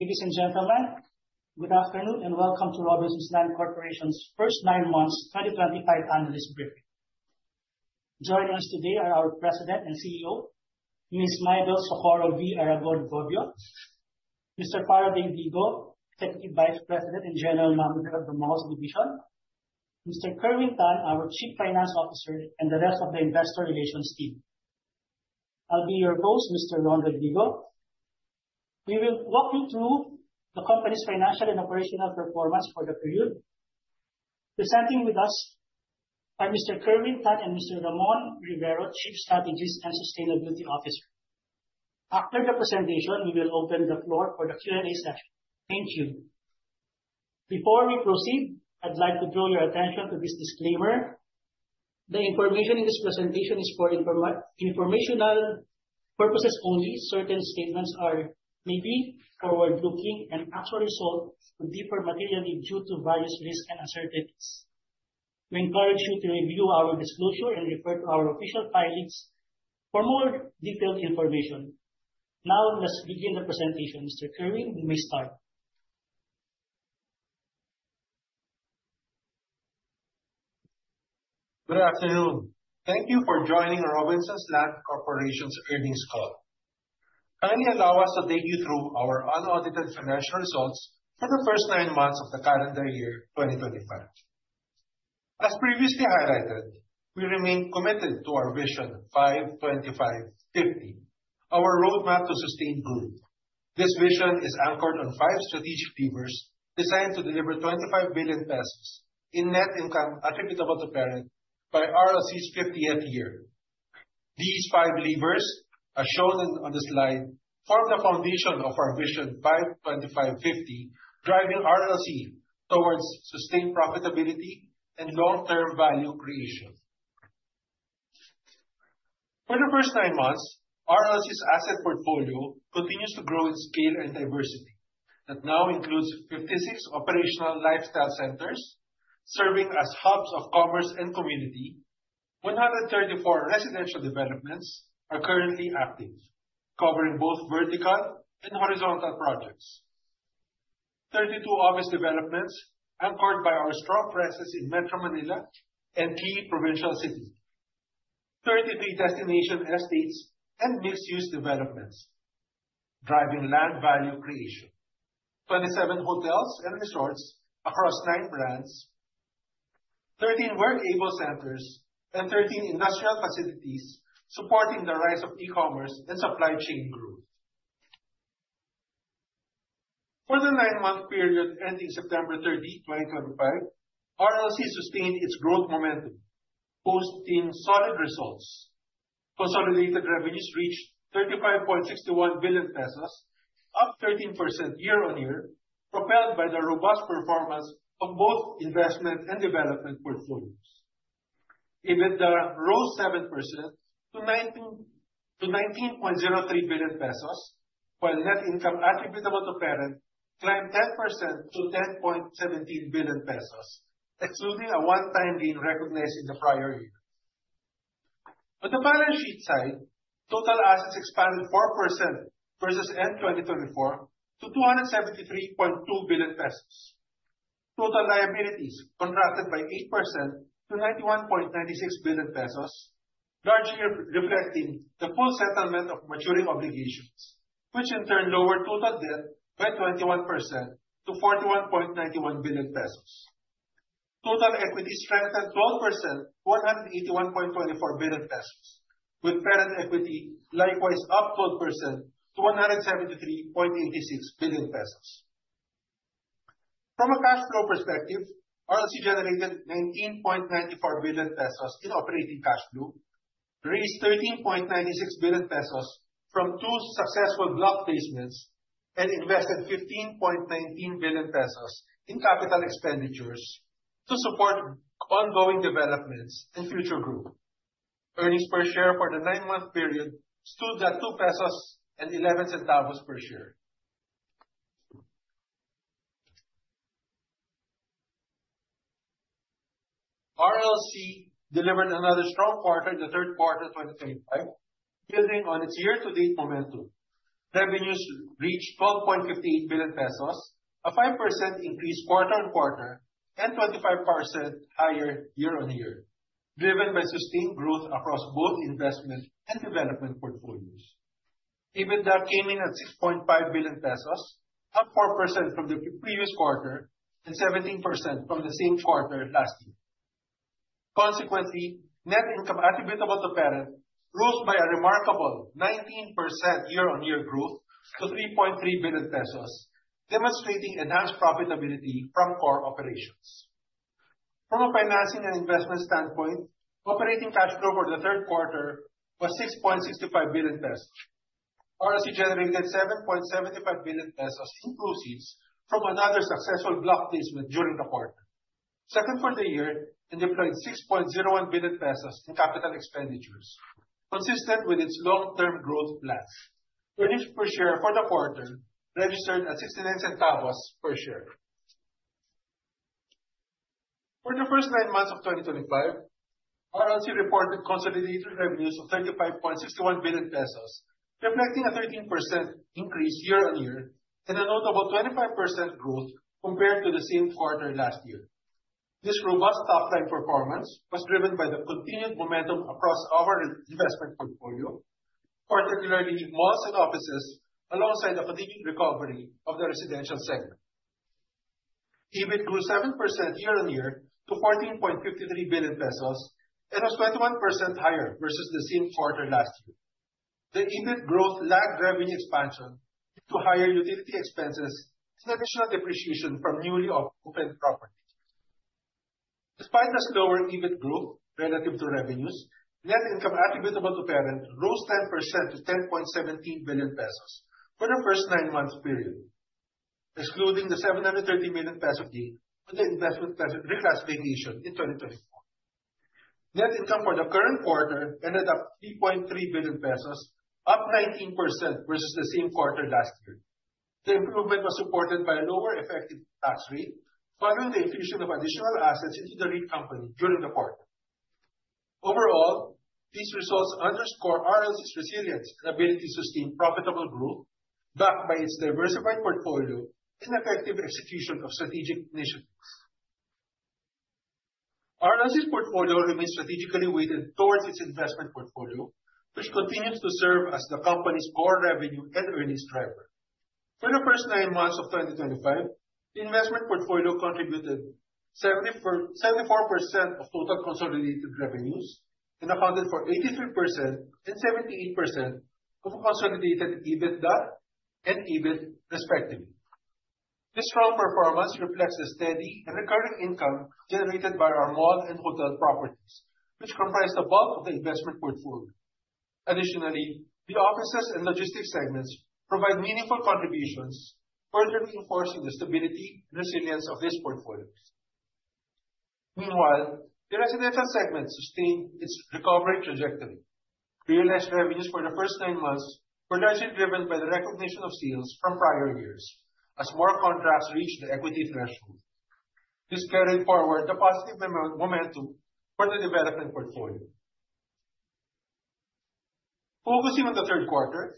Ladies and gentlemen, good afternoon, and welcome to Robinsons Land Corporation's first 9 months 2025 analyst briefing. Joining us today are our President and CEO, Ms. Mybelle Socorro V. Aragon-Go -Bio, Mr. Faraday D. Go, Executive Vice President and General Manager of the Malls Division, Mr. Kerwin Max S. Tan, our Chief Finance Officer, and the rest of the Investor Relations team. I'll be your host, Mr. Rommel Rodrigo. We will walk you through the company's financial and operational performance for the period. Presenting with us are Mr. Kerwin Max S. Tan and Mr. Ramon Rivero, Chief Strategist and Sustainability Officer. After the presentation, we will open the floor for the Q&A session. Thank you. Before we proceed, I'd like to draw your attention to this disclaimer. The information in this presentation is for informational purposes only. Certain statements may be forward-looking, and actual results may differ materially due to various risks and uncertainties. We encourage you to review our disclosure and refer to our official filings for more detailed information. Now, let's begin the presentation. Mr. Kerwin, you may start. Good afternoon. Thank you for joining Robinsons Land Corporation's earnings call. Kindly allow us to take you through our unaudited financial results for the first 9 months of the calendar year 2025. As previously highlighted, we remain committed to our Vision 5-25-50, our roadmap to sustained growth. This vision is anchored on 5 strategic levers designed to deliver 25 billion pesos in net income attributable to parent by RLC's 50th year. These 5 levers, as shown on the slide, form the foundation of our Vision 5-25-50, driving RLC towards sustained profitability and long-term value creation. For the first 9 months, RLC's asset portfolio continues to grow in scale and diversity. It now includes 56 operational lifestyle centers serving as hubs of commerce and community. 134 residential developments are currently active, covering both vertical and horizontal projects. 32 office developments anchored by our strong presence in Metro Manila and key provincial cities. 33 destination estates and mixed-use developments driving land value creation. 27 hotels and resorts across nine brands. 13 work.able centers and 13 industrial facilities supporting the rise of e-commerce and supply chain growth. For the nine-month period ending September 30, 2025, RLC sustained its growth momentum, posting solid results. Consolidated revenues reached 35.61 billion pesos, up 13% year-on-year, propelled by the robust performance of both investment and development portfolios. EBITDA rose 7% to 19.03 billion pesos, while net income attributable to parent climbed 10% to 10.17 billion pesos, excluding a one-time gain recognized in the prior year. On the balance sheet side, total assets expanded 4% versus end 2024 to 273.2 billion pesos. Total liabilities contracted by 8% to 91.96 billion pesos, largely reflecting the full settlement of maturing obligations, which in turn lowered total debt by 21% to 41.91 billion pesos. Total equity strengthened 12% to 181.24 billion pesos, with parent equity likewise up 12% to 173.86 billion pesos. From a cash flow perspective, RLC generated 19.94 billion pesos in operating cash flow, raised 13.96 billion pesos from two successful block placements, and invested 15.19 billion pesos in capital expenditures to support ongoing developments and future growth. Earnings per share for the nine-month period stood at 2.11 pesos per share. RLC delivered another strong quarter in the third quarter 2025, building on its year-to-date momentum. Revenues reached 12.58 billion pesos, a 5% increase quarter-on-quarter and 25% higher year-on-year, driven by sustained growth across both investment and development portfolios. EBITDA came in at 6.5 billion pesos, up 4% from the previous quarter and 17% from the same quarter last year. Consequently, net income attributable to parent rose by a remarkable 19% year-on-year growth to 3.3 billion pesos, demonstrating enhanced profitability from core operations. From a financing and investment standpoint, operating cash flow for the third quarter was 6.65 billion pesos. RLC generated 7.75 billion pesos in proceeds from another successful block placement during the quarter, second for the year, and deployed 6.01 billion pesos in capital expenditures, consistent with its long-term growth plans. Earnings per share for the quarter registered at 0.69 per share. For the first 9 months of 2025, RLC reported consolidated revenues of 35.61 billion pesos, reflecting a 13% increase year-on-year and a notable 25% growth compared to the same quarter last year. This robust top-line performance was driven by the continued momentum across our investment portfolio, particularly malls and offices, alongside the continuing recovery of the residential segment. EBIT grew 7% year-on-year to 14.53 billion pesos and was 21% higher versus the same quarter last year. The EBIT growth lagged revenue expansion due to higher utility expenses and additional depreciation from newly open properties. Despite the slower EBIT growth relative to revenues, net income attributable to parent rose 10% to 10.17 billion pesos for the first nine-month period, excluding the 730 million peso gain for the investment reclassification in 2024. Net income for the current quarter ended at 3.3 billion pesos, up 19% versus the same quarter last year. The improvement was supported by a lower effective tax rate following the infusion of additional assets into the REIT company during the quarter. Overall, these results underscore RLC's resilience and ability to sustain profitable growth, backed by its diversified portfolio and effective execution of strategic initiatives. RLC's portfolio remains strategically weighted towards its investment portfolio, which continues to serve as the company's core revenue and earnings driver. For the first nine months of 2025, the investment portfolio contributed 74% of total consolidated revenues and accounted for 83% and 78% of consolidated EBITDA and EBIT, respectively. This strong performance reflects the steady and recurring income generated by our mall and hotel properties, which comprise the bulk of the investment portfolio. Additionally, the offices and logistics segments provide meaningful contributions, further reinforcing the stability and resilience of this portfolio. Meanwhile, the residential segment sustained its recovery trajectory. Realized revenues for the first nine months were largely driven by the recognition of sales from prior years as more contracts reached the equity threshold. This carried forward the positive momentum for the development portfolio. Focusing on the third quarter,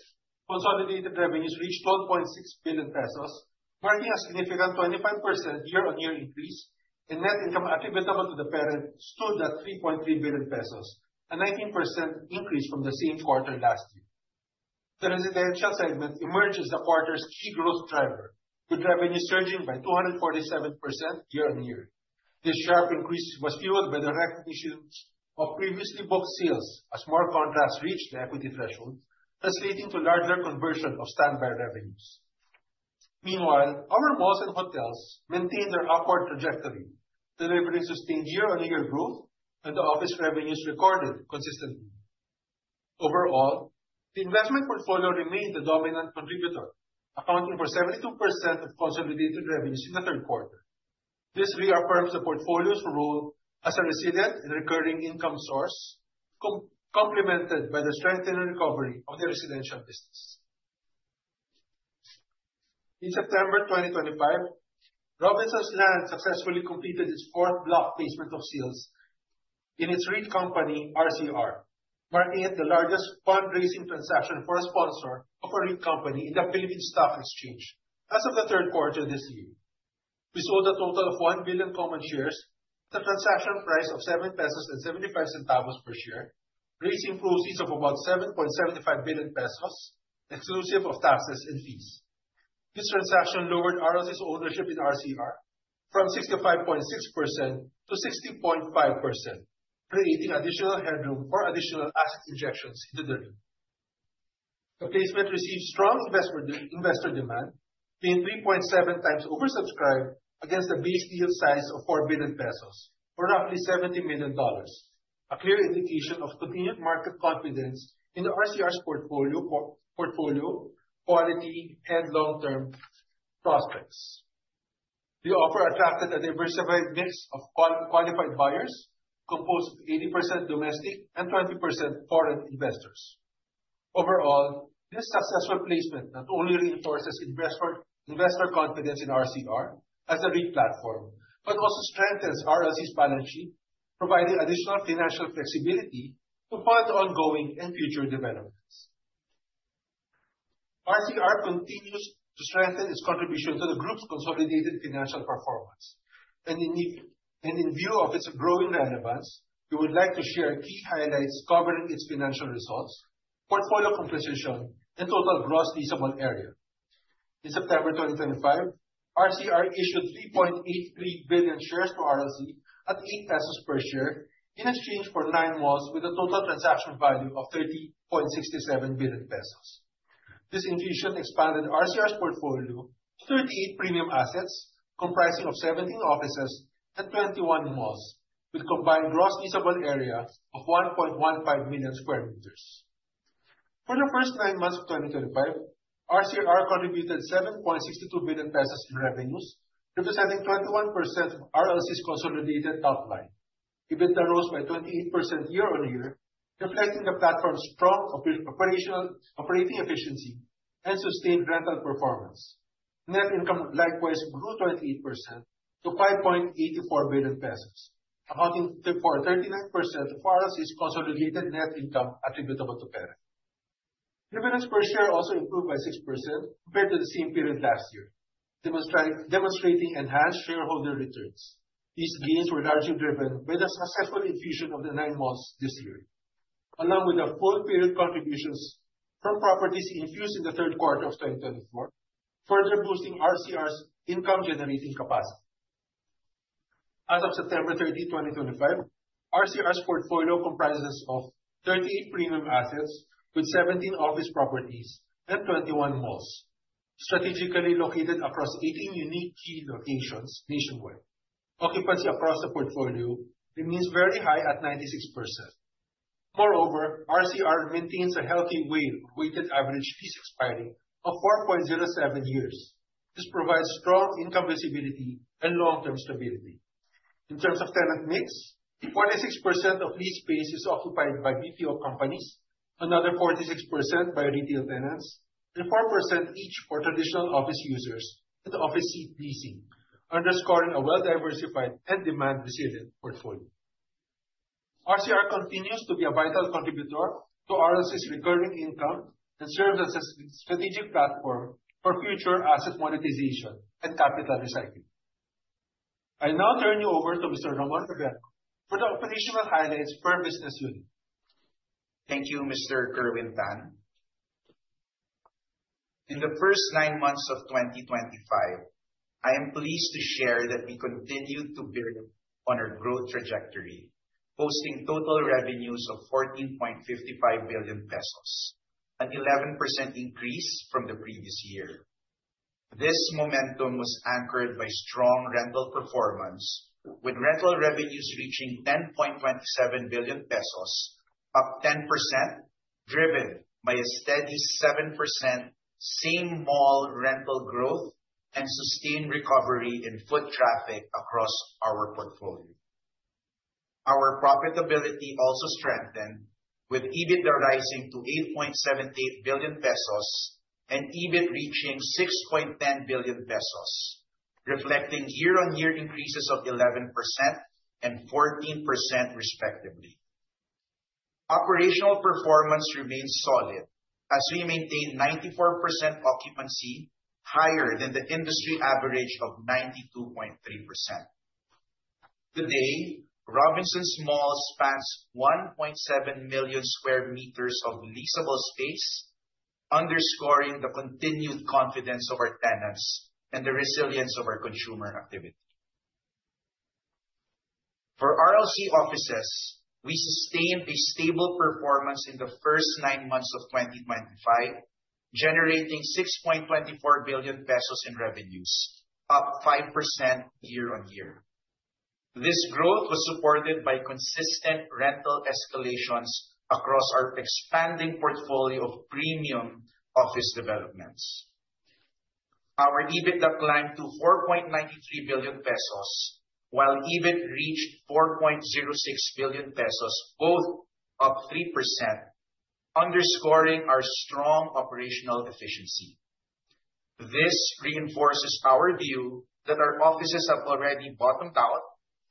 consolidated revenues reached 12.6 billion pesos, marking a significant 25% year-on-year increase, and net income attributable to the parent stood at 3.3 billion pesos, a 19% increase from the same quarter last year. The residential segment emerged as the quarter's key growth driver, with revenues surging by 247% year-on-year. This sharp increase was fueled by the recognitions of previously booked sales as more contracts reached the equity threshold, translating to larger conversion of standby revenues. Meanwhile, our malls and hotels maintained their upward trajectory. Deliveries sustained year-on-year growth and the office revenues recorded consistently. Overall, the investment portfolio remained the dominant contributor, accounting for 72% of consolidated revenues in the third quarter. This reaffirms the portfolio's role as a resilient and recurring income source, complemented by the strengthening recovery of the residential business. In September 2025, Robinsons Land successfully completed its fourth block placement of shares in its REIT company, RCR, marking it the largest fundraising transaction for a sponsor of a REIT company in the Philippine Stock Exchange as of the third quarter this year. We sold a total of 1 billion common shares at a transaction price of 7.75 pesos per share, raising proceeds of about 7.75 billion pesos exclusive of taxes and fees. This transaction lowered RLC's ownership in RCR from 65.6% to 60.5%, creating additional headroom for additional asset injections into the REIT. The placement received strong investor demand, being 3.7 times oversubscribed against a base deal size of 4 billion pesos, or roughly $70 million. A clear indication of continued market confidence in RCR's portfolio quality and long-term prospects. The offer attracted a diversified mix of qualified buyers composed of 80% domestic and 20% foreign investors. Overall, this successful placement not only reinforces investor confidence in RCR as a REIT platform, but also strengthens RLC's balance sheet, providing additional financial flexibility to fund ongoing and future developments. RCR continues to strengthen its contribution to the group's consolidated financial performance. In view of its growing relevance, we would like to share key highlights covering its financial results, portfolio composition, and total gross leasable area. In September 2025, RCR issued 3.83 billion shares to RLC at 8 pesos per share in exchange for nine malls with a total transaction value of 30.67 billion pesos. This infusion expanded RCR's portfolio to 38 premium assets comprising of 17 offices and 21 malls, with combined gross leasable area of 1.15 million square meters. For the first 9 months of 2025, RCR contributed 7.62 billion pesos in revenues, representing 21% of RLC's consolidated top line. EBITDA rose by 28% year-on-year, reflecting the platform's strong operating efficiency and sustained rental performance. Net income likewise grew 28% to 5.84 billion pesos, accounting for 39% of RLC's consolidated net income attributable to parent. Earnings per share also improved by 6% compared to the same period last year, demonstrating enhanced shareholder returns. These gains were largely driven by the successful infusion of the 9 malls this year, along with the full-period contributions from properties infused in the third quarter of 2024, further boosting RCR's income-generating capacity. As of September 30, 2025, RCR's portfolio comprises of 38 premium assets with 17 office properties and 21 malls strategically located across 18 unique key locations nationwide. Occupancy across the portfolio remains very high at 96%. Moreover, RCR maintains a healthy WALE, weighted average lease expiry, of 4.07 years. This provides strong income visibility and long-term stability. In terms of tenant mix, 46% of lease space is occupied by BPO companies, another 46% by retail tenants, and 4% each for traditional office users and office GCC, underscoring a well-diversified and demand-resilient portfolio. RCR continues to be a vital contributor to RLC's recurring income and serves as a strategic platform for future asset monetization and capital recycling. I'll now turn you over to Mr. Ramon Rivero for the operational highlights per business unit. Thank you, Mr. Kerwin Tan. In the first nine months of 2025, I am pleased to share that we continued to build on our growth trajectory, posting total revenues of 14.55 billion pesos, an 11% increase from the previous year. This momentum was anchored by strong rental performance, with rental revenues reaching 10.27 billion pesos, up 10%, driven by a steady 7% same mall rental growth and sustained recovery in foot traffic across our portfolio. Our profitability also strengthened with EBITDA rising to 8.78 billion pesos and EBIT reaching 6.10 billion pesos, reflecting year-on-year increases of 11% and 14% respectively. Operational performance remains solid as we maintain 94% occupancy, higher than the industry average of 92.3%. Today, Robinsons Malls spans 1.7 million square meters of leasable space, underscoring the continued confidence of our tenants and the resilience of our consumer activity. For RLC Offices, we sustained a stable performance in the first 9 months of 2025, generating 6.24 billion pesos in revenues, up 5% year-on-year. This growth was supported by consistent rental escalations across our expanding portfolio of premium office developments. Our EBITDA climbed to 4.93 billion pesos, while EBIT reached 4.06 billion pesos, both up 3%, underscoring our strong operational efficiency. This reinforces our view that our offices have already bottomed out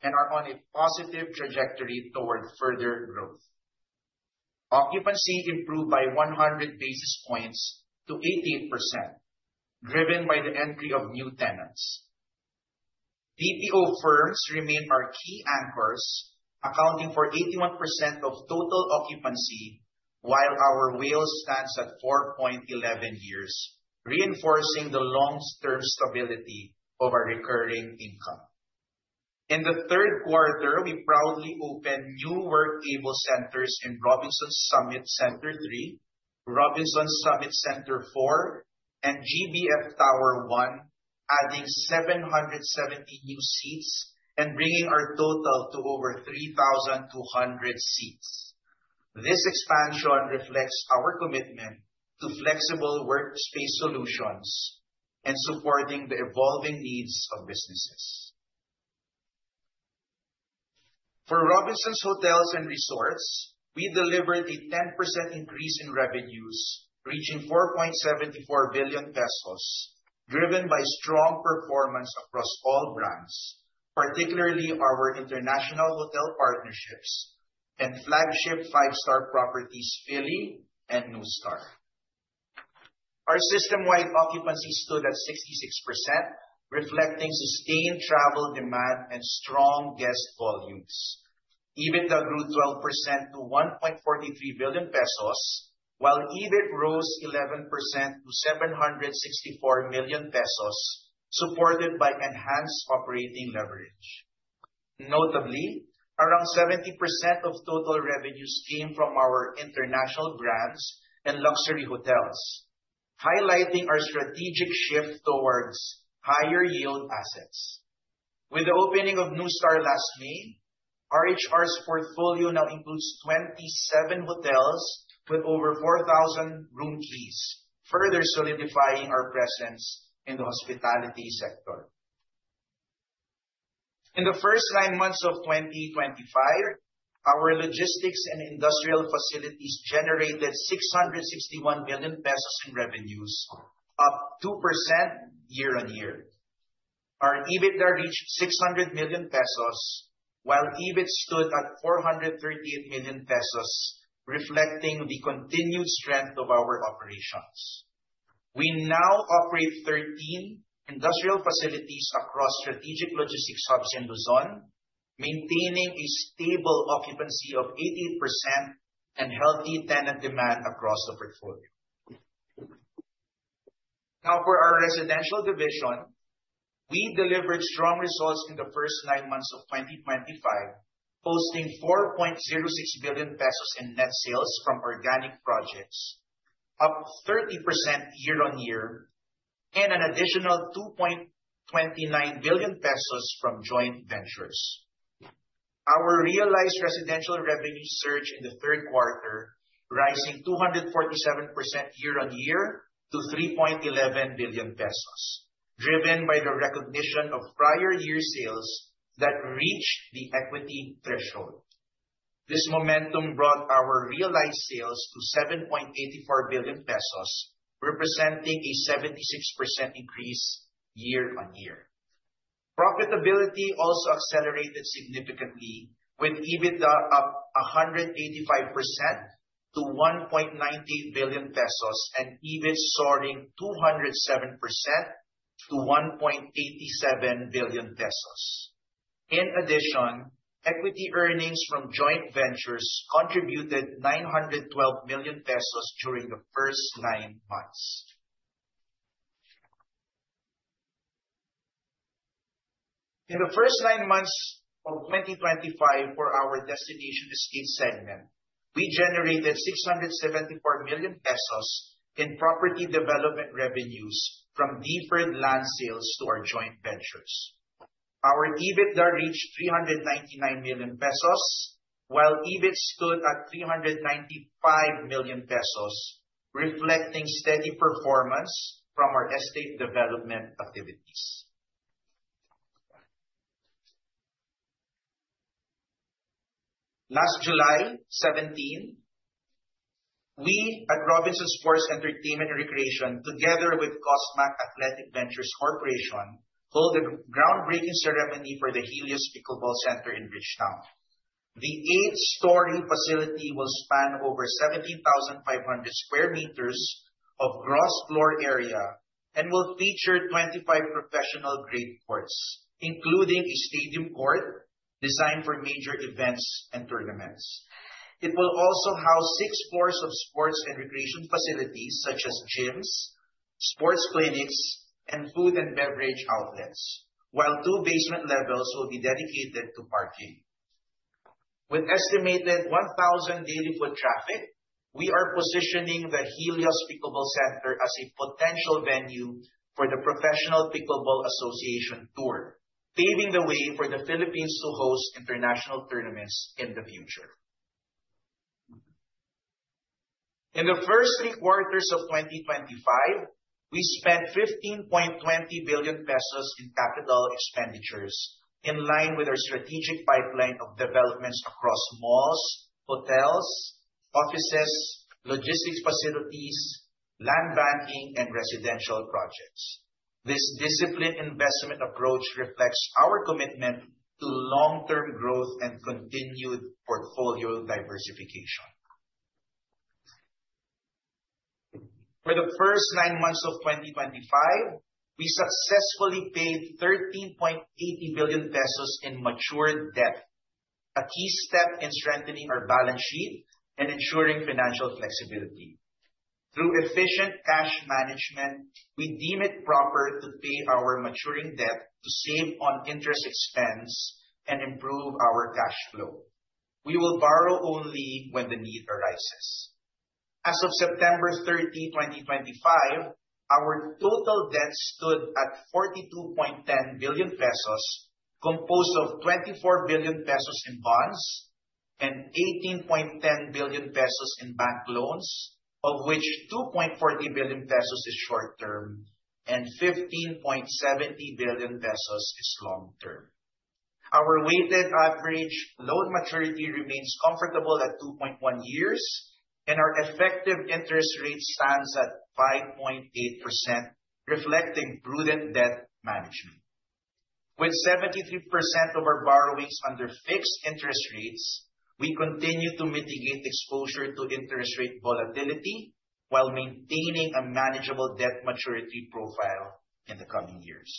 and are on a positive trajectory toward further growth. Occupancy improved by 100 basis points to 88%, driven by the entry of new tenants. BPO firms remain our key anchors, accounting for 81% of total occupancy, while our WALE stands at 4.11 years, reinforcing the long-term stability of our recurring income. In the third quarter, we proudly opened new work.able centers in Robinsons Summit Center Three, Robinsons Summit Center Four, and GBF Center 1, adding 770 new seats and bringing our total to over 3,200 seats. This expansion reflects our commitment to flexible workspace solutions and supporting the evolving needs of businesses. For Robinsons Hotels and Resorts, we delivered a 10% increase in revenues, reaching 4.74 billion pesos, driven by strong performance across all brands, particularly our international hotel partnerships and flagship five-star properties, Fili and NUSTAR. Our system-wide occupancy stood at 66%, reflecting sustained travel demand and strong guest volumes. EBITDA grew 12% to 1.43 billion pesos, while EBIT rose 11% to 764 million pesos, supported by enhanced operating leverage. Notably, around 70% of total revenues came from our international brands and luxury hotels, highlighting our strategic shift towards higher-yield assets. With the opening of NUSTAR last May, RHR's portfolio now includes 27 hotels with over 4,000 room keys, further solidifying our presence in the hospitality sector. In the first nine months of 2025, our logistics and industrial facilities generated 661 million pesos in revenues, up 2% year-on-year. Our EBITDA reached 600 million pesos, while EBIT stood at 438 million pesos, reflecting the continued strength of our operations. We now operate 13 industrial facilities across strategic logistics hubs in Luzon, maintaining a stable occupancy of 80% and healthy tenant demand across the portfolio. Now for our residential division, we delivered strong results in the first nine months of 2025, posting 4.06 billion pesos in net sales from organic projects, up 30% year-on-year and an additional 2.29 billion pesos from joint ventures. Our realized residential revenues surged in the third quarter, rising 247% year-on-year to 3.11 billion pesos, driven by the recognition of prior year sales that reached the equity threshold. This momentum brought our realized sales to 7.84 billion pesos, representing a 76% increase year-on-year. Profitability also accelerated significantly with EBITDA up 185% to 1.90 billion pesos and EBIT soaring 207% to 1.87 billion pesos. In addition, equity earnings from joint ventures contributed 912 million pesos during the first nine months. In the first nine months of 2025 for our destination estate segment, we generated 674 million pesos in property development revenues from deferred land sales to our joint ventures. Our EBITDA reached 399 million pesos, while EBIT stood at 395 million pesos, reflecting steady performance from our estate development activities. Last July 17, we at Robinsons Sports, Entertainment, and Recreation, together with Cosmac Athletic Ventures Corporation, held a groundbreaking ceremony for the Helios Pickleball Center in Bridgetowne. The 8-story facility will span over 17,500 square meters of gross floor area and will feature 25 professional grade courts, including a stadium court designed for major events and tournaments. It will also house 6 floors of sports and recreation facilities such as gyms, sports clinics, and food and beverage outlets, while 2 basement levels will be dedicated to parking. With estimated 1,000 daily foot traffic, we are positioning the Helios Pickleball Center as a potential venue for the Professional Pickleball Association Tour, paving the way for the Philippines to host international tournaments in the future. In the first 3 quarters of 2025, we spent 15.20 billion pesos in capital expenditures in line with our strategic pipeline of developments across malls, hotels, offices, logistics facilities, land banking and residential projects. This disciplined investment approach reflects our commitment to long-term growth and continued portfolio diversification. For the first 9 months of 2025, we successfully paid 13.80 billion pesos in mature debt, a key step in strengthening our balance sheet and ensuring financial flexibility. Through efficient cash management, we deem it proper to pay our maturing debt to save on interest expense and improve our cash flow. We will borrow only when the need arises. As of September 30, 2025, our total debt stood at 42.10 billion pesos, composed of 24 billion pesos in bonds and 18.10 billion pesos in bank loans, of which 2.40 billion pesos is short-term and 15.70 billion pesos is long-term. Our weighted average loan maturity remains comfortable at 2.1 years, and our effective interest rate stands at 5.8%, reflecting prudent debt management. With 73% of our borrowings under fixed interest rates, we continue to mitigate exposure to interest rate volatility while maintaining a manageable debt maturity profile in the coming years.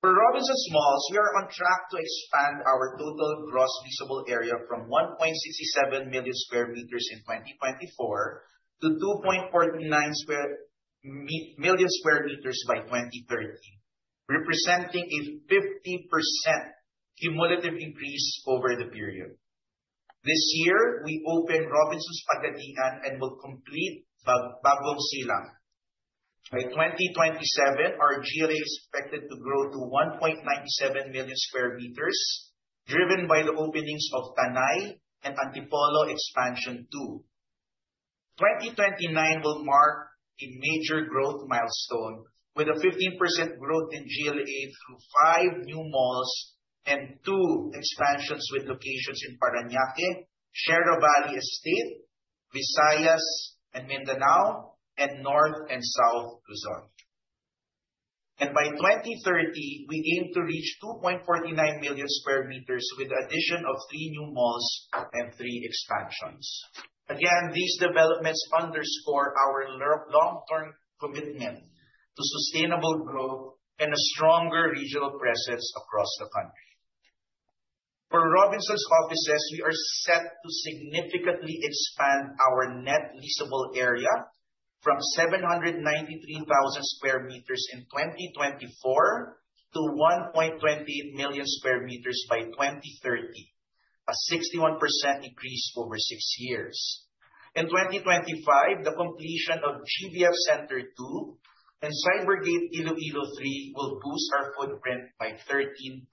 For Robinsons Malls, we are on track to expand our total gross usable area from 1.67 million square meters in 2024 to 2.49 million square meters by 2030, representing a 50% cumulative increase over the period. This year, we opened Robinsons Pagadian and will complete uncertain. By 2027, our GLA is expected to grow to 1.97 million square meters, driven by the openings of Tanauan and Antipolo expansion. 2029 will mark a major growth milestone with a 15% growth in GLA through five new malls and two expansions with locations in Parañaque, Sierra Valley Estate, Visayas and Mindanao, and North and South Luzon. By 2030, we aim to reach 2.49 million square meters with the addition of three new malls and three expansions. Again, these developments underscore our long-term commitment to sustainable growth and a stronger regional presence across the country. For Robinsons Offices, we are set to significantly expand our net leasable area from 793,000 square meters in 2024 to 1.28 million square meters by 2030, a 61% increase over six years. In 2025, the completion of GBF Center 2 and Cybergate Iloilo 3 will boost our footprint by 13%.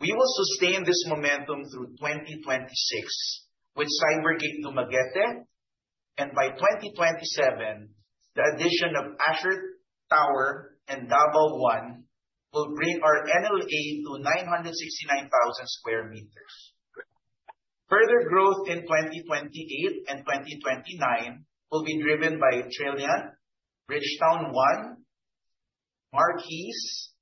We will sustain this momentum through 2026 with Cybergate Dumaguete. By 2027, the addition of Ascott Tower and Davao One will bring our NLA to 969,000 square meters. Further growth in 2028 and 2029 will be driven by The Trillium, Bridgetowne One, Marquise,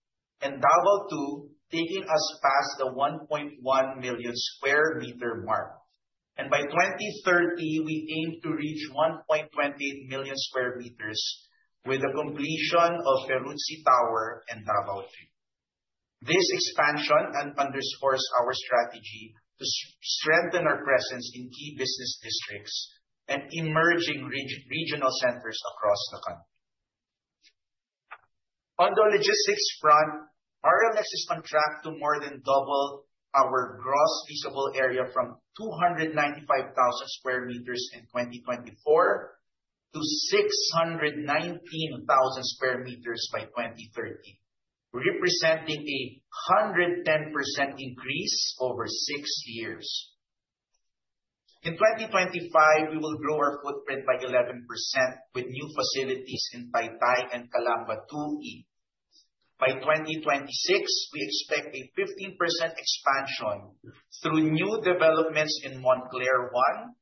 and Davao Two, taking us past the 1.1 million square meter mark. By 2030, we aim to reach 1.28 million square meters with the completion of Petrucci Tower and Davao Three. This expansion underscores our strategy to strengthen our presence in key business districts and emerging regional centers across the country. On the logistics front, RLX is on track to more than double our gross leasable area from 295,000 square meters in 2024 to 619,000 square meters by 2030, representing a 110% increase over six years. In 2025, we will grow our footprint by 11% with new facilities in Taytay and Calamba 2E. By 2026, we expect a 15% expansion through new developments in Montclair One,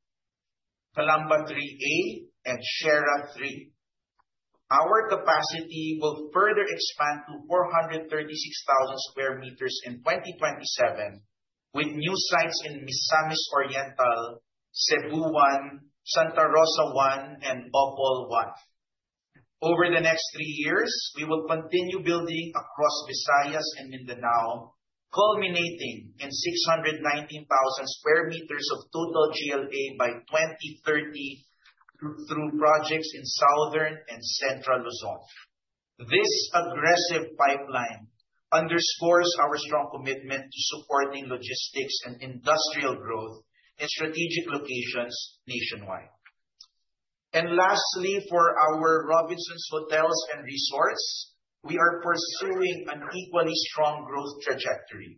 Calamba 3A, and Sierra 3. Our capacity will further expand to 436,000 sq m in 2027 with new sites in Misamis Oriental, Cebu One, Santa Rosa One, and Bohol One. Over the next three years, we will continue building across Visayas and Mindanao, culminating in 619,000 sq m of total GLA by 2030 through projects in Southern and Central Luzon. This aggressive pipeline underscores our strong commitment to supporting logistics and industrial growth in strategic locations nationwide. Lastly, for our Robinsons Hotels and Resorts, we are pursuing an equally strong growth trajectory,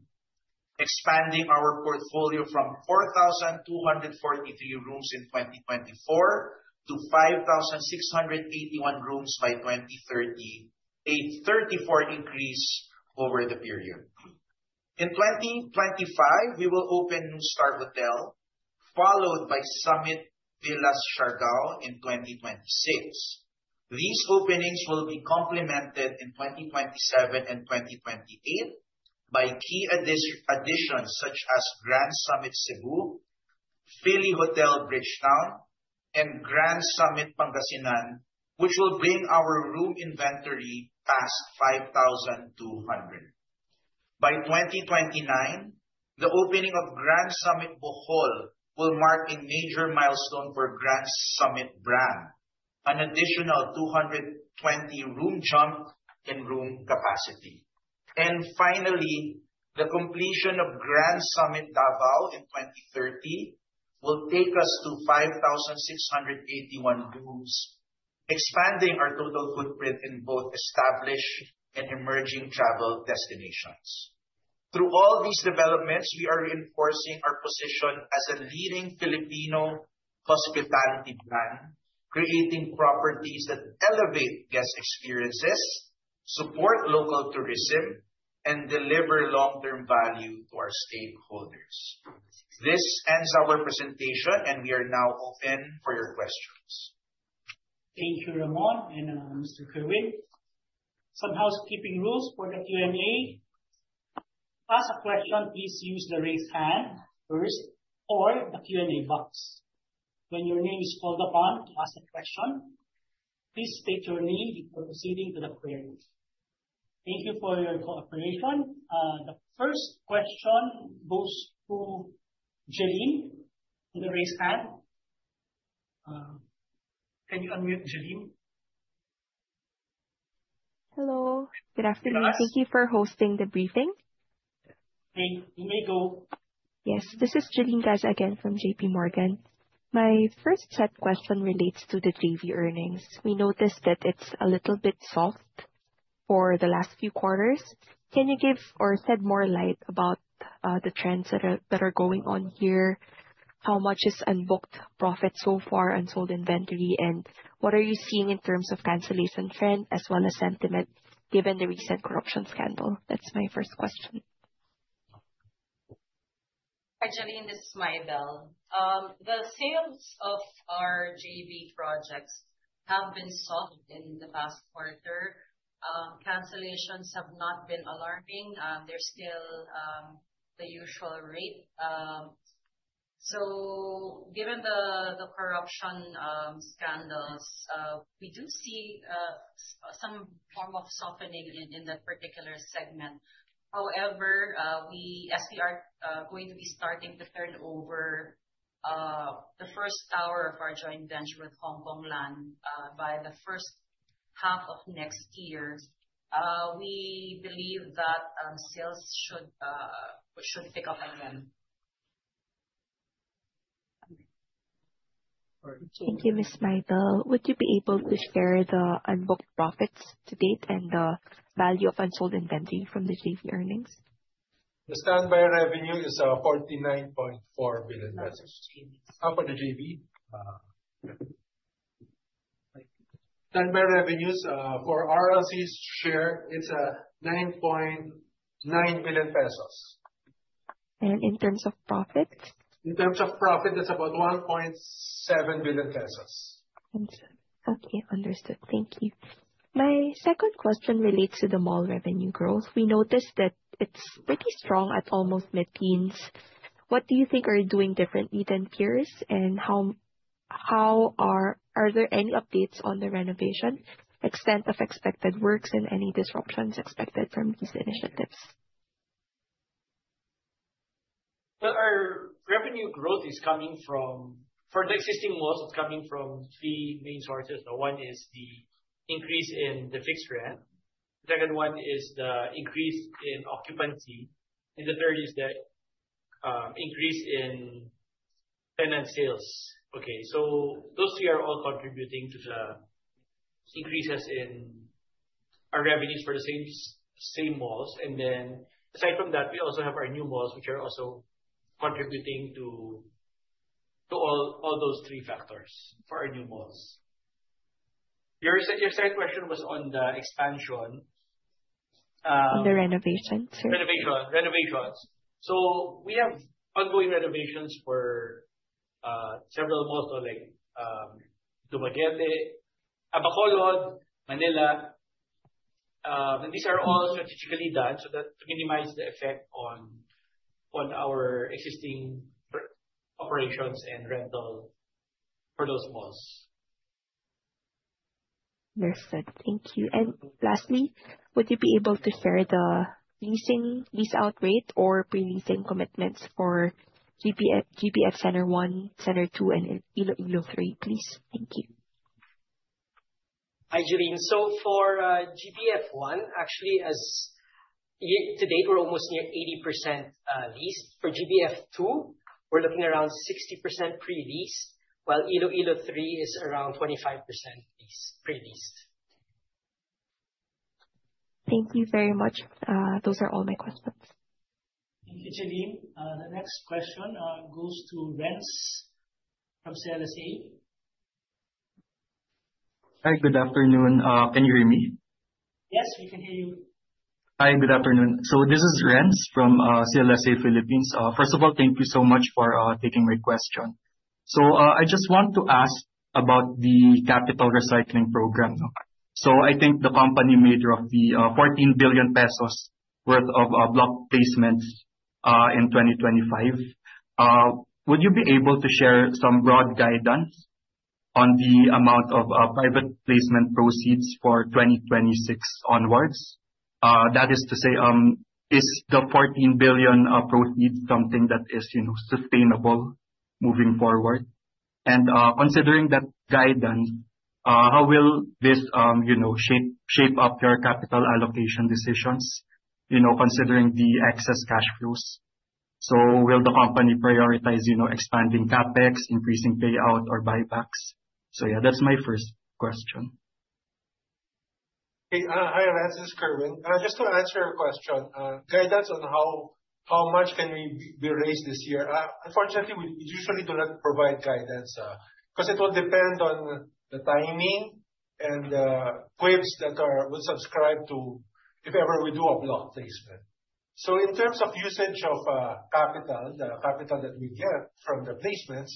expanding our portfolio from 4,243 rooms in 2024 to 5,681 rooms by 2030, a 34% increase over the period. In 2025, we will open NUSTAR Hotel, followed by Summit Villas Siargao in 2026. These openings will be complemented in 2027 and 2028 by key additions such as Grand Summit Cebu, Fili Hotel Bridgetowne, and Grand Summit Pangasinan, which will bring our room inventory past 5,200. By 2029, the opening of Grand Summit Bohol will mark a major milestone for Grand Summit brand, an additional 220 room jump in room capacity. Finally, the completion of Grand Summit Davao in 2030 will take us to 5,681 rooms, expanding our total footprint in both established and emerging travel destinations. Through all these developments, we are reinforcing our position as a leading Filipino hospitality brand, creating properties that elevate guest experiences, support local tourism, and deliver long-term value to our stakeholders. This ends our presentation, and we are now open for your questions. Thank you, Ramon and Mr. Kerwin. Some housekeeping rules for the Q&A. To ask a question, please use the Raise Hand first or the Q&A box. When your name is called upon to ask a question, please state your name before proceeding to the queries. Thank you for your cooperation. The first question goes to Janine in the Raise Hand. Can you unmute, Janine? Hello, good afternoon. Yes. Thank you for hosting the briefing. You may go. Yes. This is Janine Gaza again from JPMorgan. My first set question relates to the JV earnings. We noticed that it's a little bit soft. For the last few quarters, can you give or shed more light about the trends that are going on here? How much is unbooked profit so far, unsold inventory, and what are you seeing in terms of cancellation trend as well as sentiment given the recent corruption scandal? That's my first question. Hi, Janine, this is Mybelle. The sales of our JV projects have been soft in the past quarter. Cancellations have not been alarming. They're still the usual rate. Given the corruption scandals, we do see some form of softening in that particular segment. However, we are going to be starting to turn over the first tower of our joint venture with Hongkong Land by the first half of next year. We believe that sales should pick up again. Thank you, Ms. Mybelle. Would you be able to share the unbooked profits to date and the value of unsold inventory from the JV earnings? The standalone revenue is PHP 49.4 billion. How about the JV? Standalone revenues for RLC's share is 9.9 billion pesos. In terms of profit? In terms of profit, it's about 1.7 billion pesos. 1.7. Okay, understood. Thank you. My second question relates to the mall revenue growth. We noticed that it's pretty strong at almost mid-teens%. What do you think are you doing differently than peers? Are there any updates on the renovation, extent of expected works, and any disruptions expected from these initiatives? Well, our revenue growth is coming from. For the existing malls, it's coming from three main sources. One is the increase in the fixed rent. Second one is the increase in occupancy. The third is the increase in tenant sales. Okay, those three are all contributing to the increases in our revenues for the same malls. Then aside from that, we also have our new malls, which are also contributing to all those three factors for our new malls. Your second question was on the expansion. On the renovations. Renovations. We have ongoing renovations for several malls like Dumaguete, Bacolod, Manila. These are all strategically done so that to minimize the effect on our existing operations and rental for those malls. Understood. Thank you. Lastly, would you be able to share the lease-out rate or pre-leasing commitments for GBF Center 1, Center 2, and Iloilo 3, please? Thank you. Hi, Janine. For GBF one, actually as to date, we're almost near 80% leased. For GBF two, we're looking around 60% pre-lease, while Iloilo three is around 25% leased, pre-leased. Thank you very much. Those are all my questions. Thank you, Janine. The next question goes to Renz from CLSA. Hi, good afternoon. Can you hear me? Yes, we can hear you. Hi, good afternoon. This is Renz from CLSA Philippines. First of all, thank you so much for taking my question. I just want to ask about the capital recycling program. I think the company made roughly 14 billion pesos worth of block placements in 2025. Would you be able to share some broad guidance on the amount of private placement proceeds for 2026 onwards? That is to say, is the 14 billion proceeds something that is, you know, sustainable moving forward? Considering that guidance, how will this, you know, shape up your capital allocation decisions, you know, considering the excess cash flows? Will the company prioritize, you know, expanding CapEx, increasing payout, or buybacks? Yeah, that's my first question. Hey. Hi, Renz. This is Kerwin. Just to answer your question, guidance on how much can we raise this year. Unfortunately, we usually do not provide guidance, 'cause it will depend on the timing and the cues that we subscribe to if ever we do a block placement. In terms of usage of capital, the capital that we get from the placements,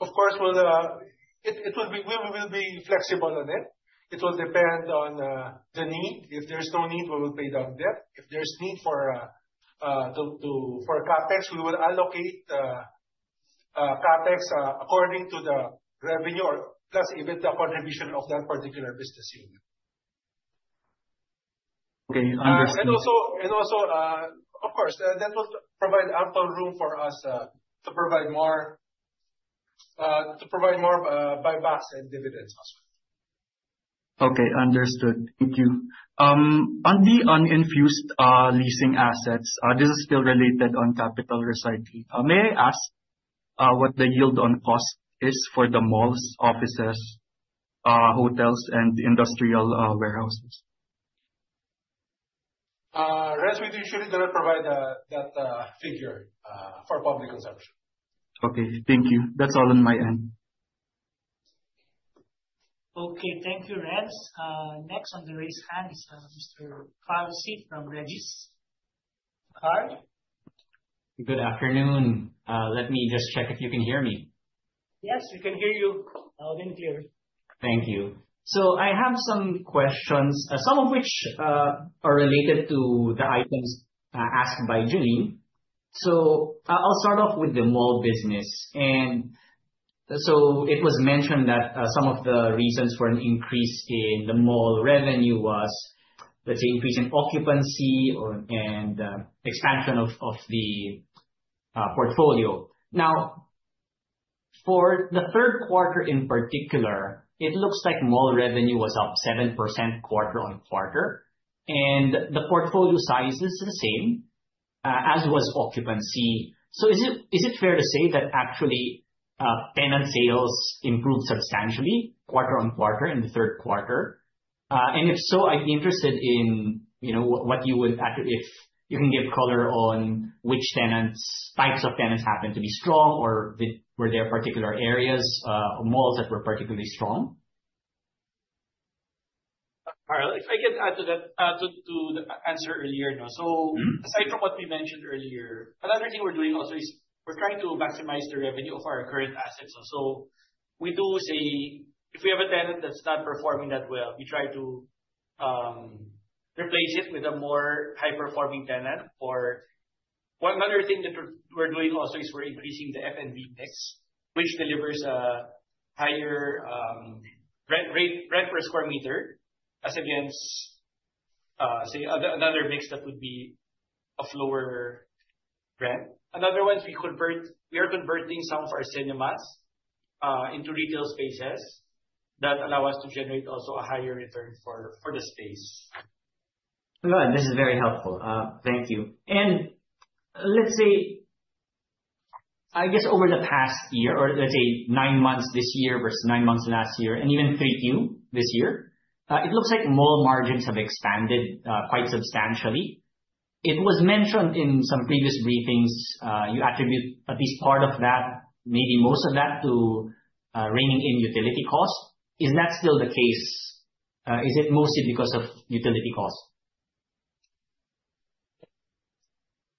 of course, we will be flexible on it. It will depend on the need. If there's no need, we will pay down debt. If there's need for CapEx, we will allocate CapEx according to the revenue or plus even the contribution of that particular business unit. Okay, understood. Of course, that will provide ample room for us to provide more buybacks and dividends as well. Okay, understood. Thank you. On the unleased leasing assets, this is still related on capital recycling. May I ask What the yield on cost is for the malls, offices, hotels, and industrial warehouses? Renz, we usually do not provide that figure for public consumption. Okay. Thank you. That's all on my end. Okay. Thank you, Renz. Next on the raised hand is Mr. Faricy from Regis. Carl? Good afternoon. Let me just check if you can hear me. Yes, we can hear you, loud and clear. Thank you. I have some questions, some of which are related to the items asked by Janine. I'll start off with the mall business. It was mentioned that some of the reasons for an increase in the mall revenue was, let's say, increase in occupancy and expansion of the portfolio. For the third quarter, in particular, it looks like mall revenue was up 7% quarter-on-quarter, and the portfolio size is the same as was occupancy. Is it fair to say that actually tenant sales improved substantially quarter-on-quarter in the third quarter? If so, I'd be interested in, you know, what you would actually if you can give color on which tenants, types of tenants happen to be strong, or were there particular areas, or malls that were particularly strong? Carl, if I could add to that, to the answer earlier now. Mm-hmm. Aside from what we mentioned earlier, another thing we're doing also is we're trying to maximize the revenue of our current assets also. We do say if we have a tenant that's not performing that well, we try to replace it with a more high-performing tenant. One other thing that we're doing also is we're increasing the F&B mix, which delivers higher rent rate, rent per square meter, as against say another mix that would be a lower rent. Another one is we are converting some of our cinemas into retail spaces that allow us to generate also a higher return for the space. Good. This is very helpful. Thank you. Let's say, I guess over the past year, or let's say nine months this year versus nine months last year and even 3Q this year, it looks like mall margins have expanded quite substantially. It was mentioned in some previous briefings, you attribute at least part of that, maybe most of that, to reining in utility costs. Is that still the case? Is it mostly because of utility costs?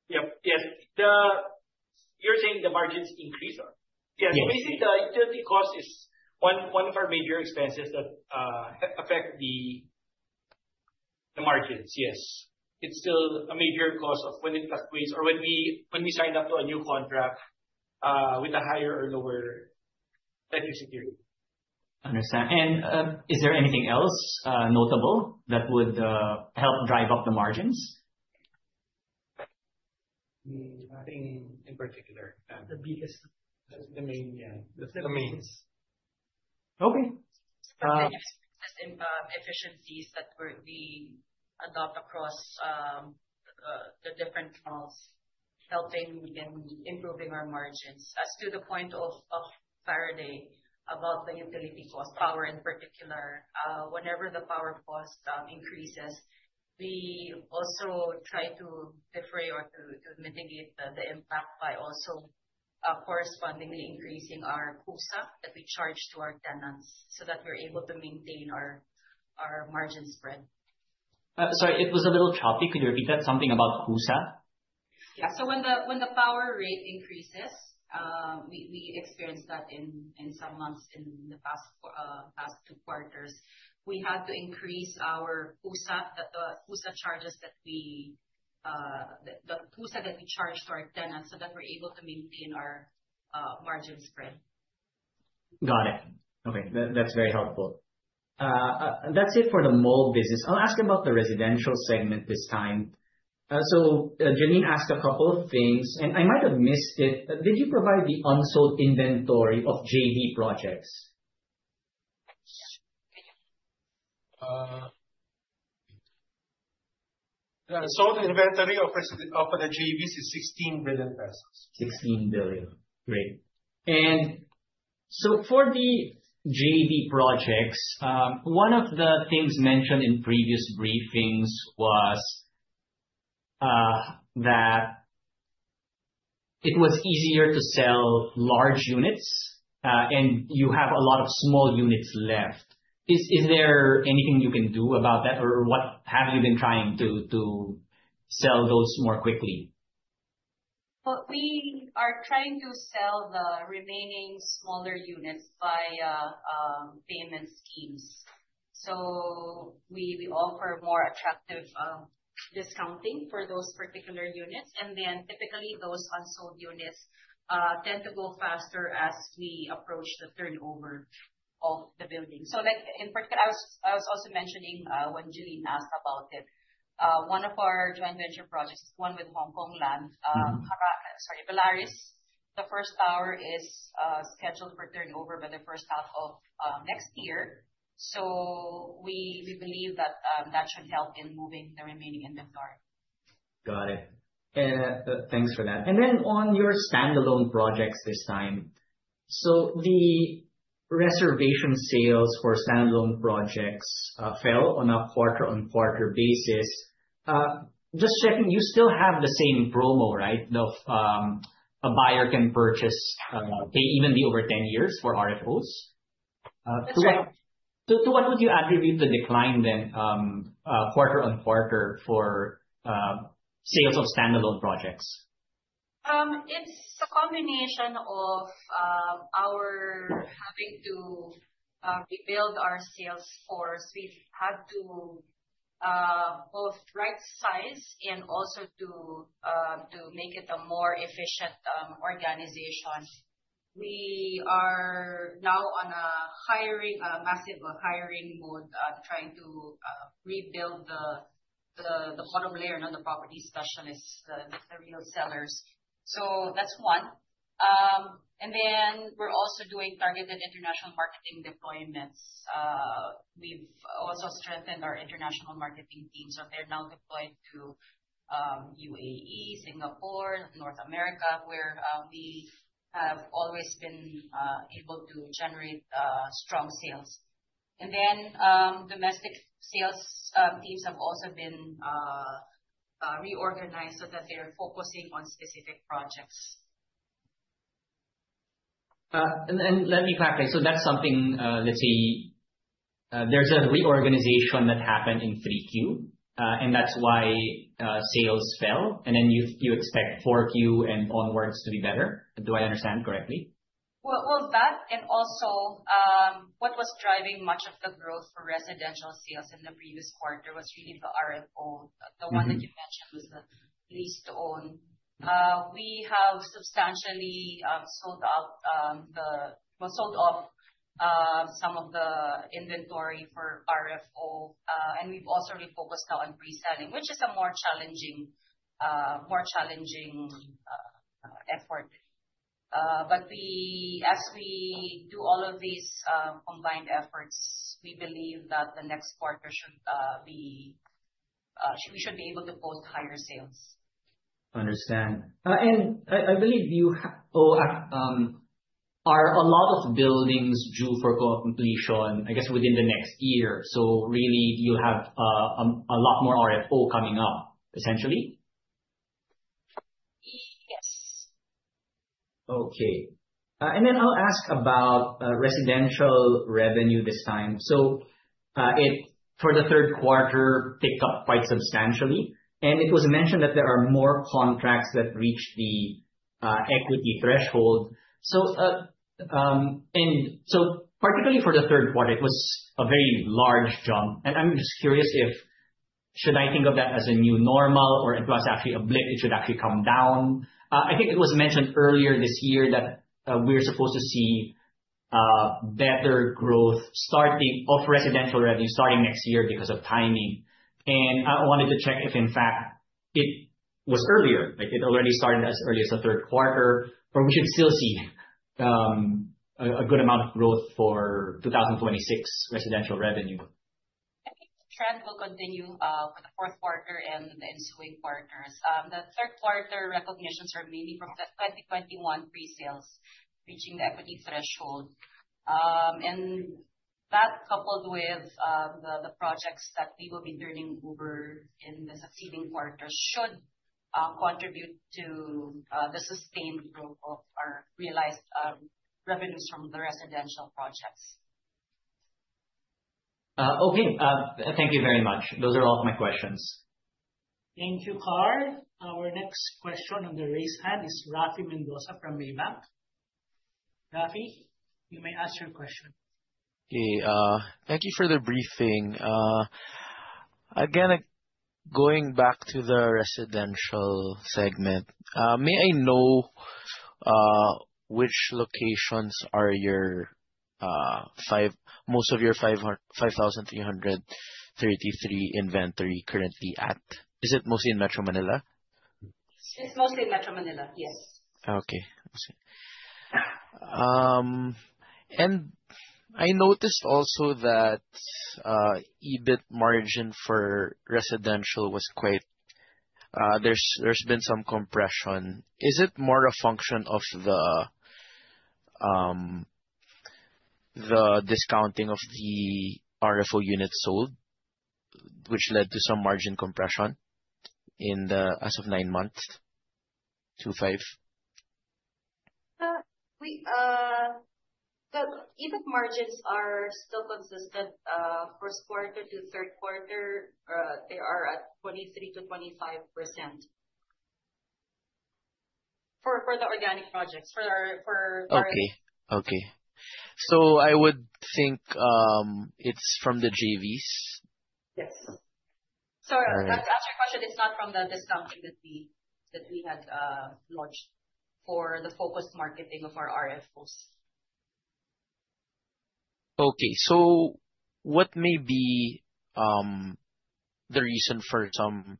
Yep. Yes. You're saying the margins increase? Yes. Yes. Basically, the utility cost is one of our major expenses that affect the margins. Yes. It's still a major cause of when it fluctuates or when we sign up to a new contract with a higher or lower electricity. Understand. Is there anything else notable that would help drive up the margins? Nothing in particular. The biggest- That's the main, yeah. Okay. Yes, system efficiencies that we adopt across the different malls, helping in improving our margins. As to the point of Faraday about the utility cost, power in particular, whenever the power cost increases, we also try to defray or to mitigate the impact by also correspondingly increasing our CUSA that we charge to our tenants so that we're able to maintain our margin spread. Sorry, it was a little choppy. Could you repeat that? Something about CUSA. Yeah. When the power rate increases, we experienced that in some months in the past two quarters. We had to increase our CUSA, the CUSA charges that we charge to our tenants, so that we're able to maintain our margin spread. Got it. Okay. That's very helpful. That's it for the mall business. I'll ask about the residential segment this time. Janine asked a couple of things, and I might have missed it. Did you provide the unsold inventory of JV projects? Yeah. The unsold inventory of the JVs is 16 billion pesos. 16 billion. Great. For the JV projects, one of the things mentioned in previous briefings was that it was easier to sell large units, and you have a lot of small units left. Is there anything you can do about that, or what have you been trying to sell those more quickly? Well, we are trying to sell the remaining smaller units by payment schemes. We offer more attractive discounting for those particular units. Typically, those unsold units tend to go faster as we approach the turnover of the building. I was also mentioning, when Janine asked about it, one of our joint venture projects, one with Hongkong Land, The Velaris. The first tower is scheduled for turnover by the first half of next year. We believe that should help in moving the remaining inventory. Got it. Thanks for that. On your standalone projects this time. The reservation sales for standalone projects fell on a quarter-on-quarter basis. Just checking, you still have the same promo, right? A buyer can purchase over 10 years for RFOs. That's right. To what would you attribute the decline then, quarter-on-quarter for sales of standalone projects? It's a combination of our having to rebuild our sales force. We've had to both right size and also to make it a more efficient organization. We are now on a massive hiring mode, trying to rebuild the bottom layer on the property specialists, the real sellers. That's one. We're also doing targeted international marketing deployments. We've also strengthened our international marketing teams, so they're now deployed to UAE, Singapore, North America, where we have always been able to generate strong sales. Domestic sales teams have also been reorganized so that they are focusing on specific projects. Let me clarify. That's something, let's say, there's a reorganization that happened in 3Q, and that's why sales fell. You expect 4Q and onwards to be better. Do I understand correctly? Well, that and also, what was driving much of the growth for residential sales in the previous quarter was really the RFO. Mm-hmm. The one that you mentioned was the lease to own. We have substantially sold off some of the inventory for RFO. We've also refocused now on reselling, which is a more challenging effort. As we do all of these combined efforts, we believe that the next quarter, we should be able to post higher sales. Understand. I believe you have or are a lot of buildings due for co-completion, I guess, within the next year. Really you have a lot more RFO coming up, essentially? Yes. Okay. I'll ask about residential revenue this time. It, for the third quarter picked up quite substantially, and it was mentioned that there are more contracts that reach the equity threshold. Particularly for the third quarter, it was a very large jump. I'm just curious if should I think of that as a new normal or it was actually a blip, it should actually come down? I think it was mentioned earlier this year that we're supposed to see better growth starting of residential revenue starting next year because of timing. I wanted to check if in fact it was earlier, like it already started as early as the third quarter. We should still see a good amount of growth for 2026 residential revenue. I think the trend will continue for the fourth quarter and the ensuing quarters. The third quarter recognitions are mainly from the 2021 pre-sales reaching the equity threshold. That coupled with the projects that we will be turning over in the succeeding quarters should contribute to the sustained growth of our realized revenues from the residential projects. Okay. Thank you very much. Those are all my questions. Thank you, Carl. Our next question on the raised hand is Rafael Mendoza from Maybank. Rafael, you may ask your question. Okay. Thank you for the briefing. Again, going back to the residential segment, may I know which locations are your most of your 5,333 inventory currently at? Is it mostly in Metro Manila? It's mostly in Metro Manila, yes. I noticed also that EBIT margin for residential was quite, there's been some compression. Is it more a function of the discounting of the RFO units sold, which led to some margin compression in the as of 9 months, 2025? The EBIT margins are still consistent first quarter to the third quarter. They are at 23%-25%. For the organic projects. For our- Okay. I would think, it's from the JVs? Yes. All right. To answer your question, it's not from the discounting that we had launched for the focused marketing of our RFOs. What may be the reason for some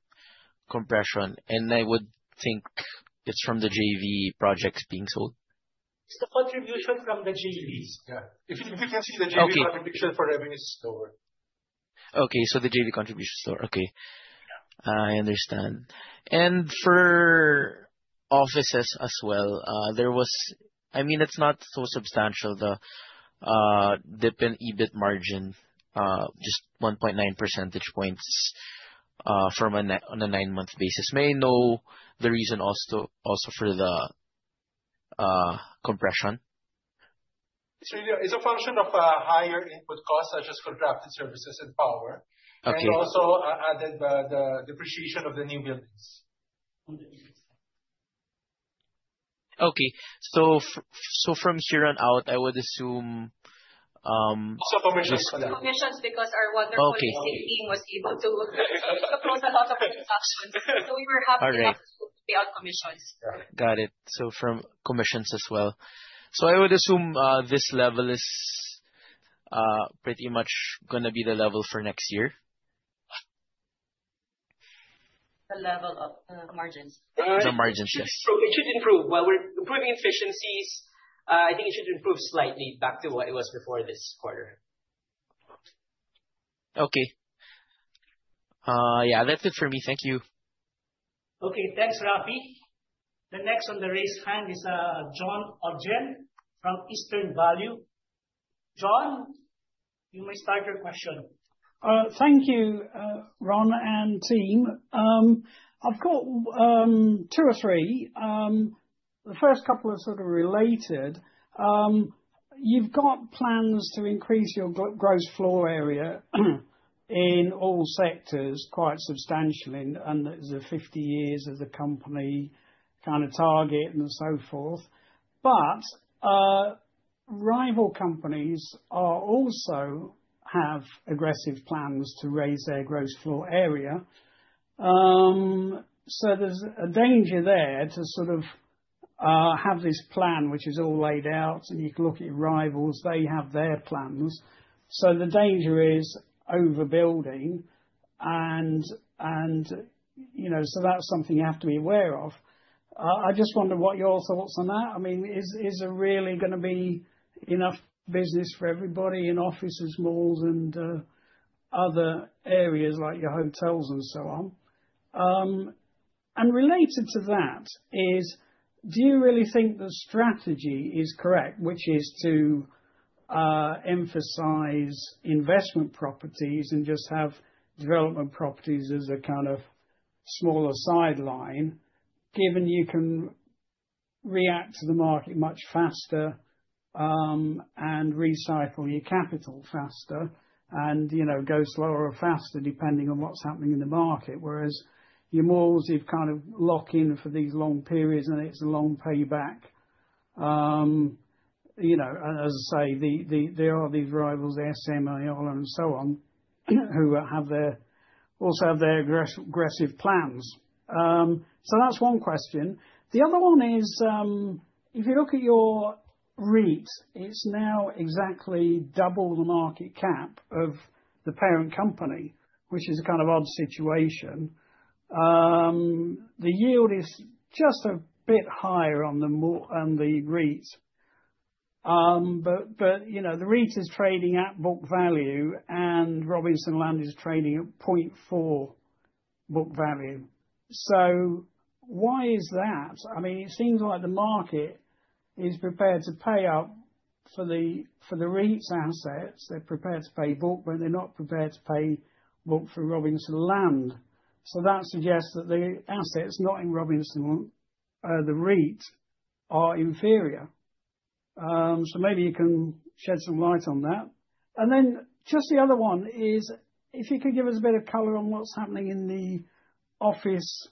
compression? I would think it's from the JV projects being sold. It's the contribution from the JVs. JVs, yeah. If you can see the JV- Okay. Contribution for revenue is lower. Okay. The JV contribution is lower. Okay. Yeah. I understand. For offices as well, I mean, it's not so substantial, the dip in EBIT margin, just 1.9 percentage points, on a nine-month basis. May I know the reason also for the compression? Yeah, it's a function of higher input costs, such as contracted services and power. Okay. added the depreciation of the new buildings. Okay. From here on out, I would assume. Also commissions. Commissions because our wonderful. Okay. sales team was able to close a lot of transactions. We were happy. All right. to have to pay out commissions. Yeah. Got it. From commissions as well. I would assume this level is pretty much gonna be the level for next year. The level of the margins. The margins, yes. It should improve. While we're improving efficiencies, I think it should improve slightly back to what it was before this quarter. Okay. Yeah, that's it for me. Thank you. Okay, thanks, Rafi. The next on the raised hand is Jonathan Ogden from Eastspring Investments. John, you may start your question. Thank you, Ron and team. I've got 2 or 3. The first couple are sort of related. You've got plans to increase your gross floor area in all sectors quite substantially, and there's the 50 years as a company kind of target and so forth. Rival companies also have aggressive plans to raise their gross floor area. So there's a danger there to sort of have this plan, which is all laid out, and you can look at your rivals, they have their plans. The danger is overbuilding and, you know, so that's something you have to be aware of. I just wonder what your thoughts on that. I mean, is there really gonna be enough business for everybody in offices, malls and other areas like your hotels and so on? Related to that is, do you really think the strategy is correct, which is to emphasize investment properties and just have development properties as a kind of smaller sideline, given you can react to the market much faster, and recycle your capital faster and, you know, go slower or faster depending on what's happening in the market? Whereas your malls, you've kind of lock in for these long periods, and it's a long payback. You know, as I say, there are these rivals, SM, Ayala and so on, who also have their aggressive plans. That's one question. The other one is, if you look at your REIT, it's now exactly double the market cap of the parent company, which is a kind of odd situation. The yield is just a bit higher on the REIT. You know, the REIT is trading at book value, and Robinsons Land is trading at 0.4 book value. Why is that? I mean, it seems like the market is prepared to pay up for the REIT's assets. They're prepared to pay book, but they're not prepared to pay book for Robinsons Land. That suggests that the assets not in Robinsons, the REIT, are inferior. Maybe you can shed some light on that. Just the other one is if you could give us a bit of color on what's happening in the office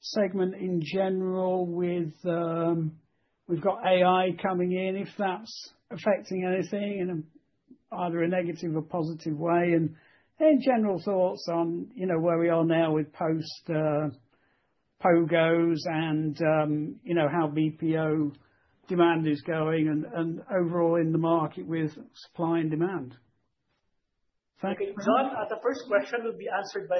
segment in general with. We've got AI coming in, if that's affecting anything in either a negative or positive way. General thoughts on, you know, where we are now with post POGOs and, you know, how BPO demand is going and overall in the market with supply and demand. Thank you very much. Okay. John, the first question will be answered by.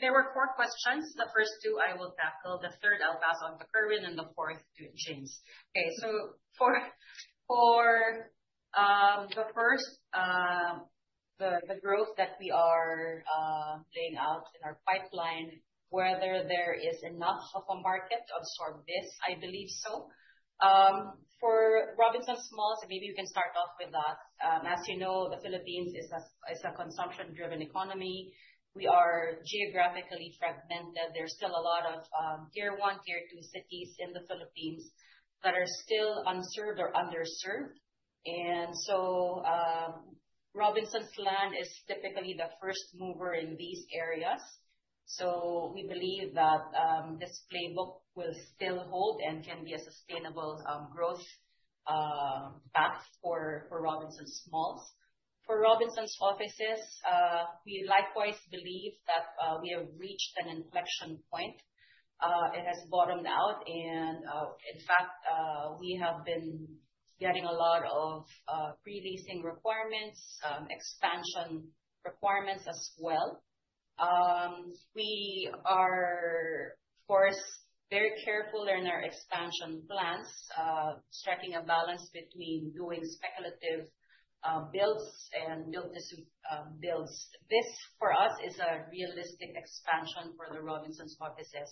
There were four questions. The first two I will tackle, the third I'll pass on to Kerwin, and the fourth to James. Okay. For the first, the growth that we are laying out in our pipeline, whether there is enough of a market to absorb this, I believe so. For Robinsons Malls, maybe you can start off with that. As you know, the Philippines is a consumption-driven economy. We are geographically fragmented. There's still a lot of tier one, tier two cities in the Philippines that are still unserved or underserved. Robinsons Land is typically the first mover in these areas. We believe that this playbook will still hold and can be a sustainable growth path for Robinsons Malls. For Robinsons Offices, we likewise believe that we have reached an inflection point. It has bottomed out and, in fact, we have been getting a lot of pre-leasing requirements, expansion requirements as well. We are of course very careful in our expansion plans, striking a balance between doing speculative builds and build-to-suit builds. This for us is a realistic expansion for the Robinsons offices.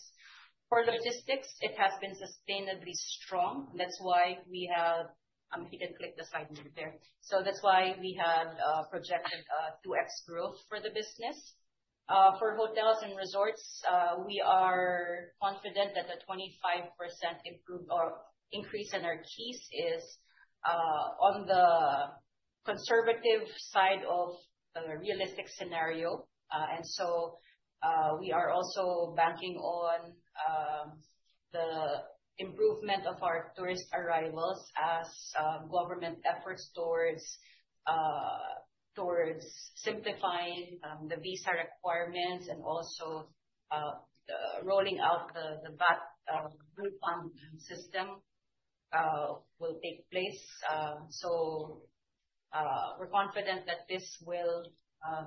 For logistics, it has been sustainably strong. You can click the slide, James, there. So that's why we have projected 2x growth for the business. For hotels and resorts, we are confident that the 25% improvement or increase in our keys is on the conservative side of the realistic scenario. We are also banking on the improvement of our tourist arrivals as government efforts towards simplifying the visa requirements and also rolling out the VAT refund system will take place. We're confident that this will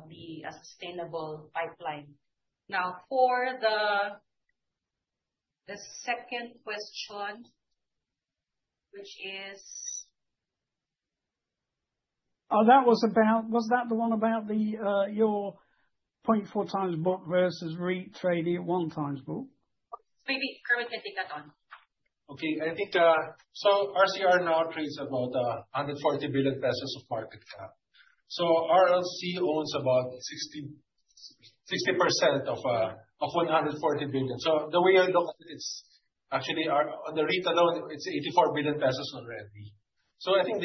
be a sustainable pipeline. Now, for the second question, which is... Was that the one about the 0.4x book versus REIT trading at 1x book? Maybe Kerwin can take that one. Okay. I think, RCR now trades about 140 billion pesos of market cap. RLC owns about 60% of 140 billion. The way I look at it is actually on the REIT alone, it's 84 billion pesos already. I think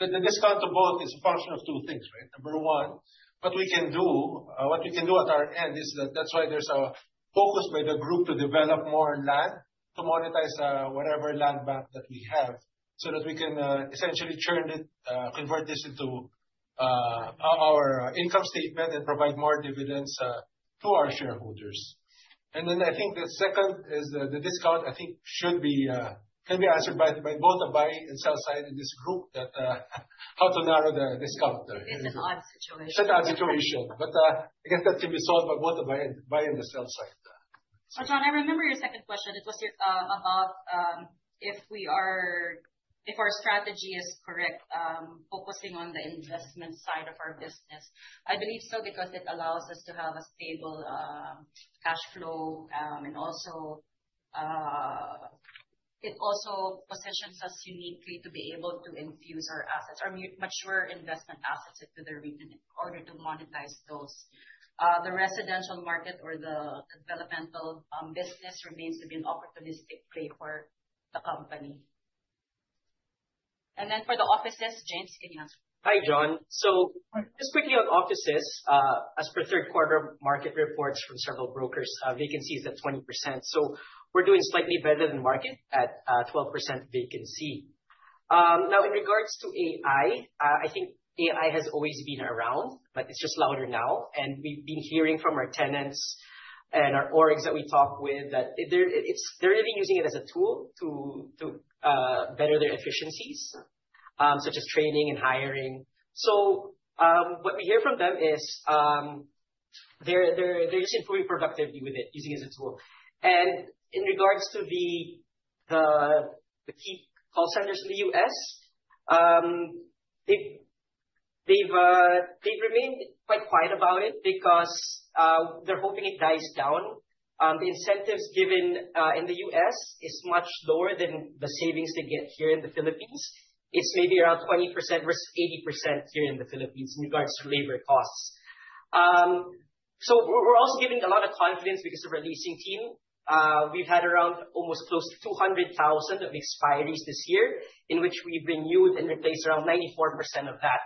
the discount to both is a function of two things, right? Number one, what we can do at our end is that that's why there's a focus by the group to develop more land to monetize whatever land bank that we have so that we can essentially turn it, convert this into our income statement and provide more dividends to our shareholders. I think the second is the discount I think should be can be answered by both the buy and sell side in this group that how to narrow the discount. It's an odd situation. It's an odd situation. Again, that can be solved by both the buy and the sell side. John, I remember your second question. It was about if our strategy is correct, focusing on the investment side of our business. I believe so because it allows us to have a stable cash flow. It also positions us uniquely to be able to infuse our assets or mature investment assets into the REIT in order to monetize those. The residential market or the developmental business remains to be an opportunistic play for the company. For the offices, James, can you answer? Hi, John. Just quickly on offices, as per third quarter market reports from several brokers, vacancy is at 20%. We're doing slightly better than market at 12% vacancy. Now in regards to AI, I think AI has always been around, but it's just louder now. We've been hearing from our tenants and our orgs that we talk with that they're really using it as a tool to better their efficiencies, such as training and hiring. What we hear from them is they're just improving productivity with it, using it as a tool. In regards to the key call centers in the U.S., they've remained quite quiet about it because they're hoping it dies down. The incentives given in the US is much lower than the savings they get here in the Philippines. It's maybe around 20% versus 80% here in the Philippines in regards to labor costs. We're also given a lot of confidence because of our leasing team. We've had around almost close to 200,000 of expiries this year, in which we've renewed and replaced around 94% of that.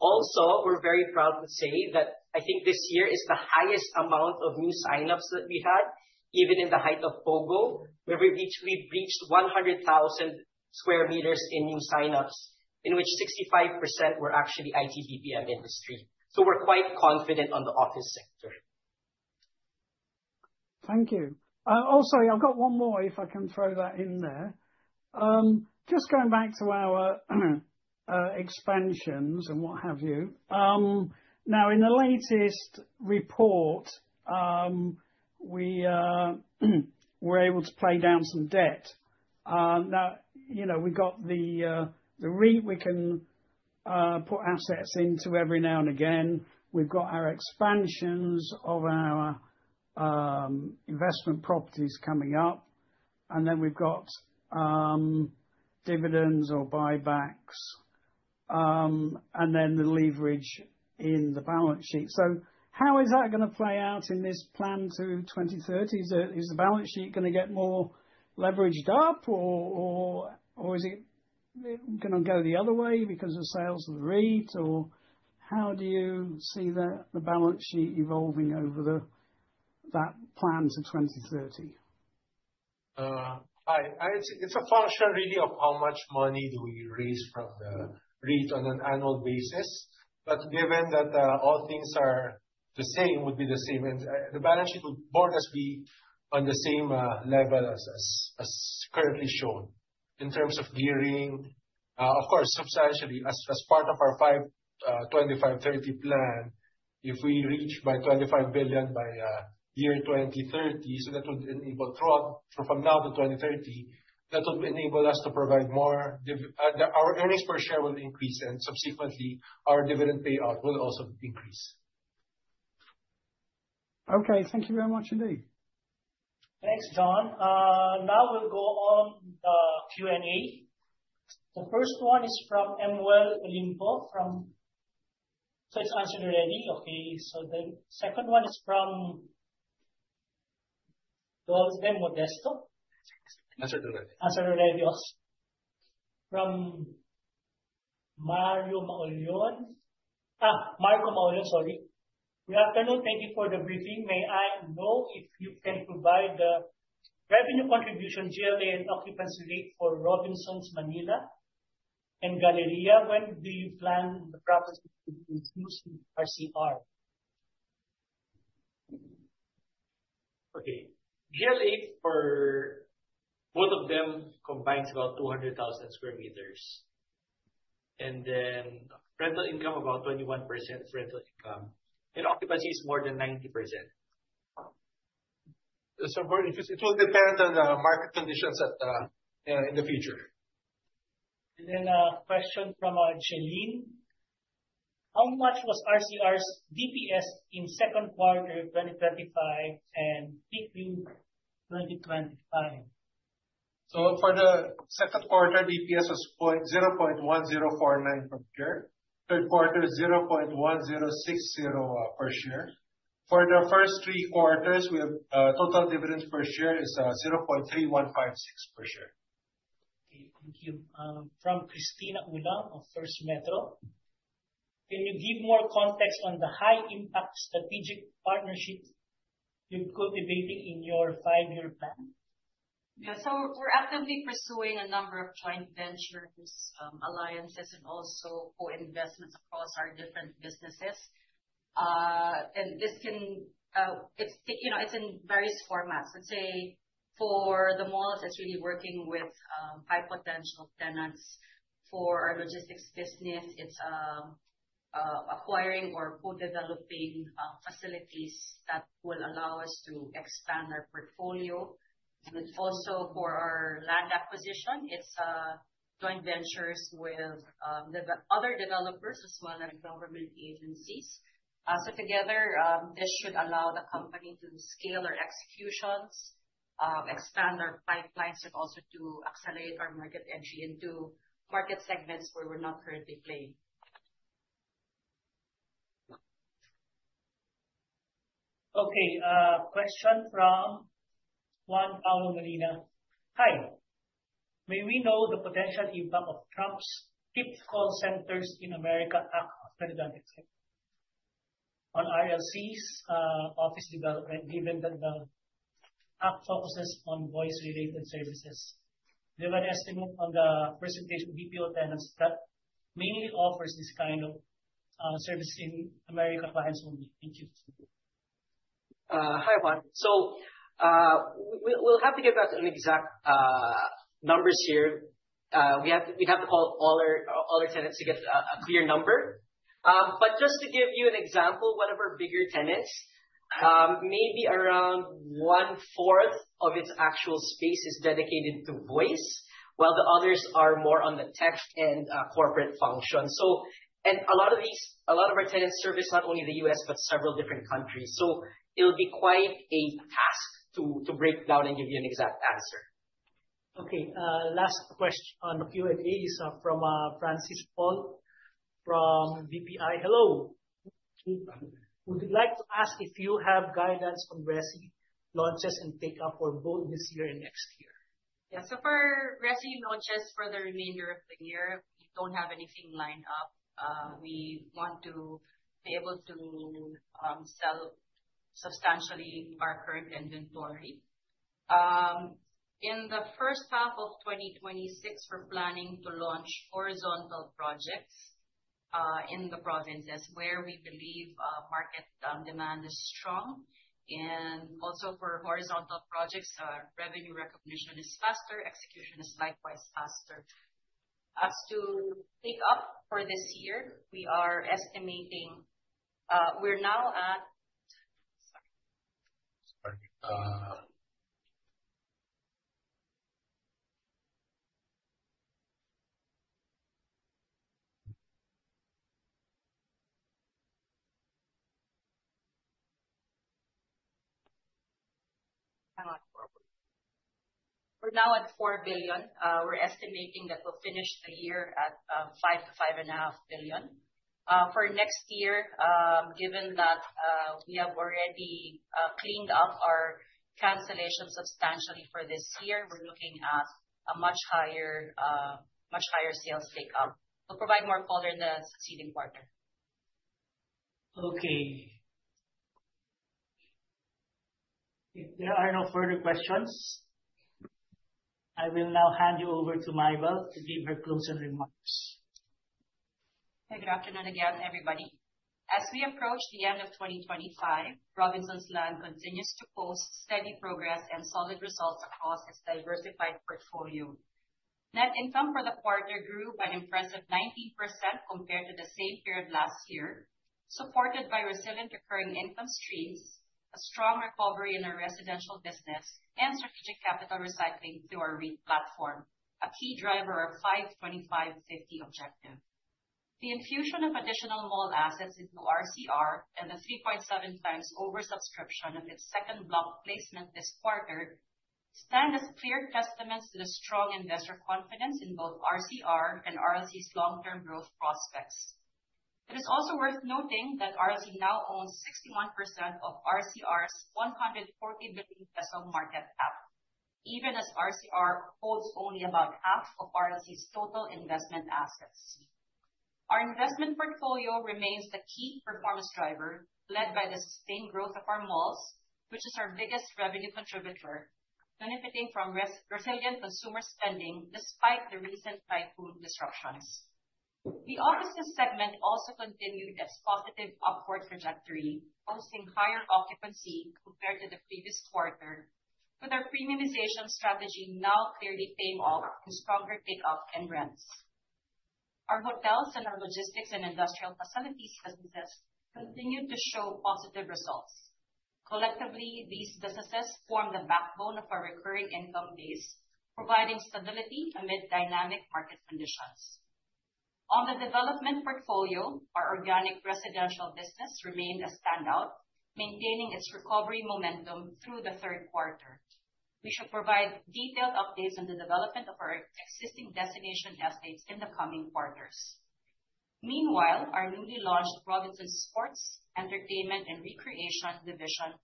Also, we're very proud to say that I think this year is the highest amount of new sign-ups that we had, even in the height of POGO, where we've reached 100,000 square meters in new sign-ups, in which 65% were actually IT-BPM industry. We're quite confident on the office sector. Thank you. Also, I've got one more if I can throw that in there. Just going back to our expansions and what have you. Now in the latest report, we were able to pay down some debt. Now, you know, we got the REIT we can put assets into every now and again. We've got our expansions of our investment properties coming up, and then we've got dividends or buybacks, and then the leverage in the balance sheet. How is that gonna play out in this plan to 2030? Is the balance sheet gonna get more leveraged up or is it gonna go the other way because of sales of the REIT? How do you see the balance sheet evolving over that plan to 2030? It's a function really of how much money do we raise from the REIT on an annual basis. Given that all things are the same, would be the same, and the balance sheet would more or less be on the same level as currently shown. In terms of gearing, of course, substantially as part of our 5-25-50 plan, if we reach 25 billion by 2030, that would enable throughout from now to 2030. That will enable us. Our earnings per share will increase, and subsequently our dividend payout will also increase. Okay. Thank you very much indeed. Thanks, John. Now we'll go on the Q&A. The first one is from Emmanuel Olimpo. It's answered already. Okay. The second one is from Jose Modesto? Answered already. Answered already. Yes. From Marco Maullon. Good afternoon. Thank you for the briefing. May I know if you can provide the revenue contribution, GLA, and occupancy rate for Robinsons Manila and Robinsons Galleria? When do you plan the properties to introduce RCR? Okay. GLA for both of them combines about 200,000 square meters. Rental income, about 21% rental income, and occupancy is more than 90%. For interest, it will depend on the market conditions in the future. A question from Shelleen. How much was RCR's DPS in second quarter 2025 and between 2025? For the second quarter, DPS was 0.1049 per share. Third quarter, 0.1060 per share. For the first three quarters, we have total dividends per share is 0.3156 per share. Okay. Thank you. From Cristina Ulang of First Metro. Can you give more context on the high impact strategic partnerships you're cultivating in your five-year plan? Yeah. We're actively pursuing a number of joint ventures, alliances and also co-investments across our different businesses. You know, it's in various formats. Let's say for the malls, it's really working with high potential tenants. For our logistics business, it's acquiring or co-developing facilities that will allow us to expand our portfolio. For our land acquisition, it's joint ventures with other developers as well as government agencies. Together, this should allow the company to scale our executions, expand our pipelines, and also to accelerate our market entry into market segments where we're not currently playing. Okay. Question from Juan Paulo Molina. Hi. May we know the potential impact of Trump's Keep Call Centers in America Act of 2023 on RLC's office development, given that the act focuses on voice related services? Do you have an estimate on the percentage BPO tenants that mainly offers this kind of services to American clients only? Thank you. Hi, Juan. We'll have to get back on exact numbers here. We have to call all our tenants to get a clear number. Just to give you an example, one of our bigger tenants, maybe around one-fourth of its actual space is dedicated to voice, while the others are more on the tech and corporate function. A lot of our tenants service not only the US, but several different countries. It'll be quite a task to break down and give you an exact answer. Okay. Last question on Q&A is from Francis Paul from BPI. Hello. We would like to ask if you have guidance on Resi launches and take-up for both this year and next year. For residential launches for the remainder of the year, we don't have anything lined up. We want to be able to sell substantially our current inventory. In the first half of 2026, we're planning to launch horizontal projects in the provinces where we believe market demand is strong. For horizontal projects, our revenue recognition is faster, execution is likewise faster. As to take-up for this year, we are estimating. Sorry. We're now at 4 billion. We're estimating that we'll finish the year at 5 billion-5.5 billion. For next year, given that we have already cleaned up our cancellations substantially for this year, we're looking at a much higher sales take-up. We'll provide more color in the succeeding quarter. Okay. If there are no further questions, I will now hand you over to Mybelle to give her closing remarks. Good afternoon again, everybody. As we approach the end of 2025, Robinsons Land continues to post steady progress and solid results across its diversified portfolio. Net income for the quarter grew by impressive 90% compared to the same period last year, supported by resilient recurring income streams, a strong recovery in our residential business, and strategic capital recycling through our REIT platform, a key driver of our 5-25-50 objective. The infusion of additional mall assets into RCR and the 3.7x oversubscription of its second block placement this quarter stand as clear testaments to the strong investor confidence in both RCR and RLC's long-term growth prospects. It is also worth noting that RLC now owns 61% of RCR's 140 billion peso market cap, even as RCR holds only about half of RLC's total investment assets. Our investment portfolio remains the key performance driver led by the sustained growth of our malls, which is our biggest revenue contributor, benefiting from resilient consumer spending despite the recent typhoon disruptions. The offices segment also continued its positive upward trajectory, posting higher occupancy compared to the previous quarter, with our premiumization strategy now clearly paying off with stronger take-up and rents. Our hotels and our logistics and industrial facilities businesses continued to show positive results. Collectively, these businesses form the backbone of our recurring income base, providing stability amid dynamic market conditions. On the development portfolio, our organic residential business remained a standout, maintaining its recovery momentum through the third quarter. We should provide detailed updates on the development of our existing destination estates in the coming quarters. Meanwhile, our newly launched Robinsons Sports, Entertainment, and Recreation division,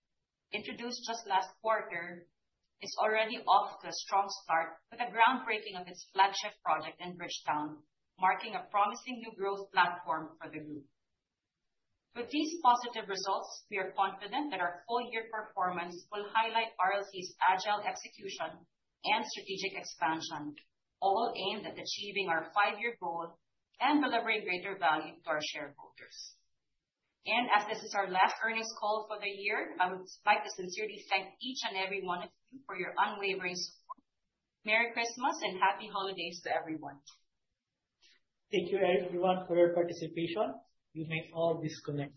introduced just last quarter, is already off to a strong start with the groundbreaking of its flagship project in Bridgetowne, marking a promising new growth platform for the group. With these positive results, we are confident that our full-year performance will highlight RLC's agile execution and strategic expansion, all aimed at achieving our five-year goal and delivering greater value to our shareholders. As this is our last earnings call for the year, I would like to sincerely thank each and every one of you for your unwavering support. Merry Christmas and happy holidays to everyone. Thank you everyone for your participation. You may all disconnect.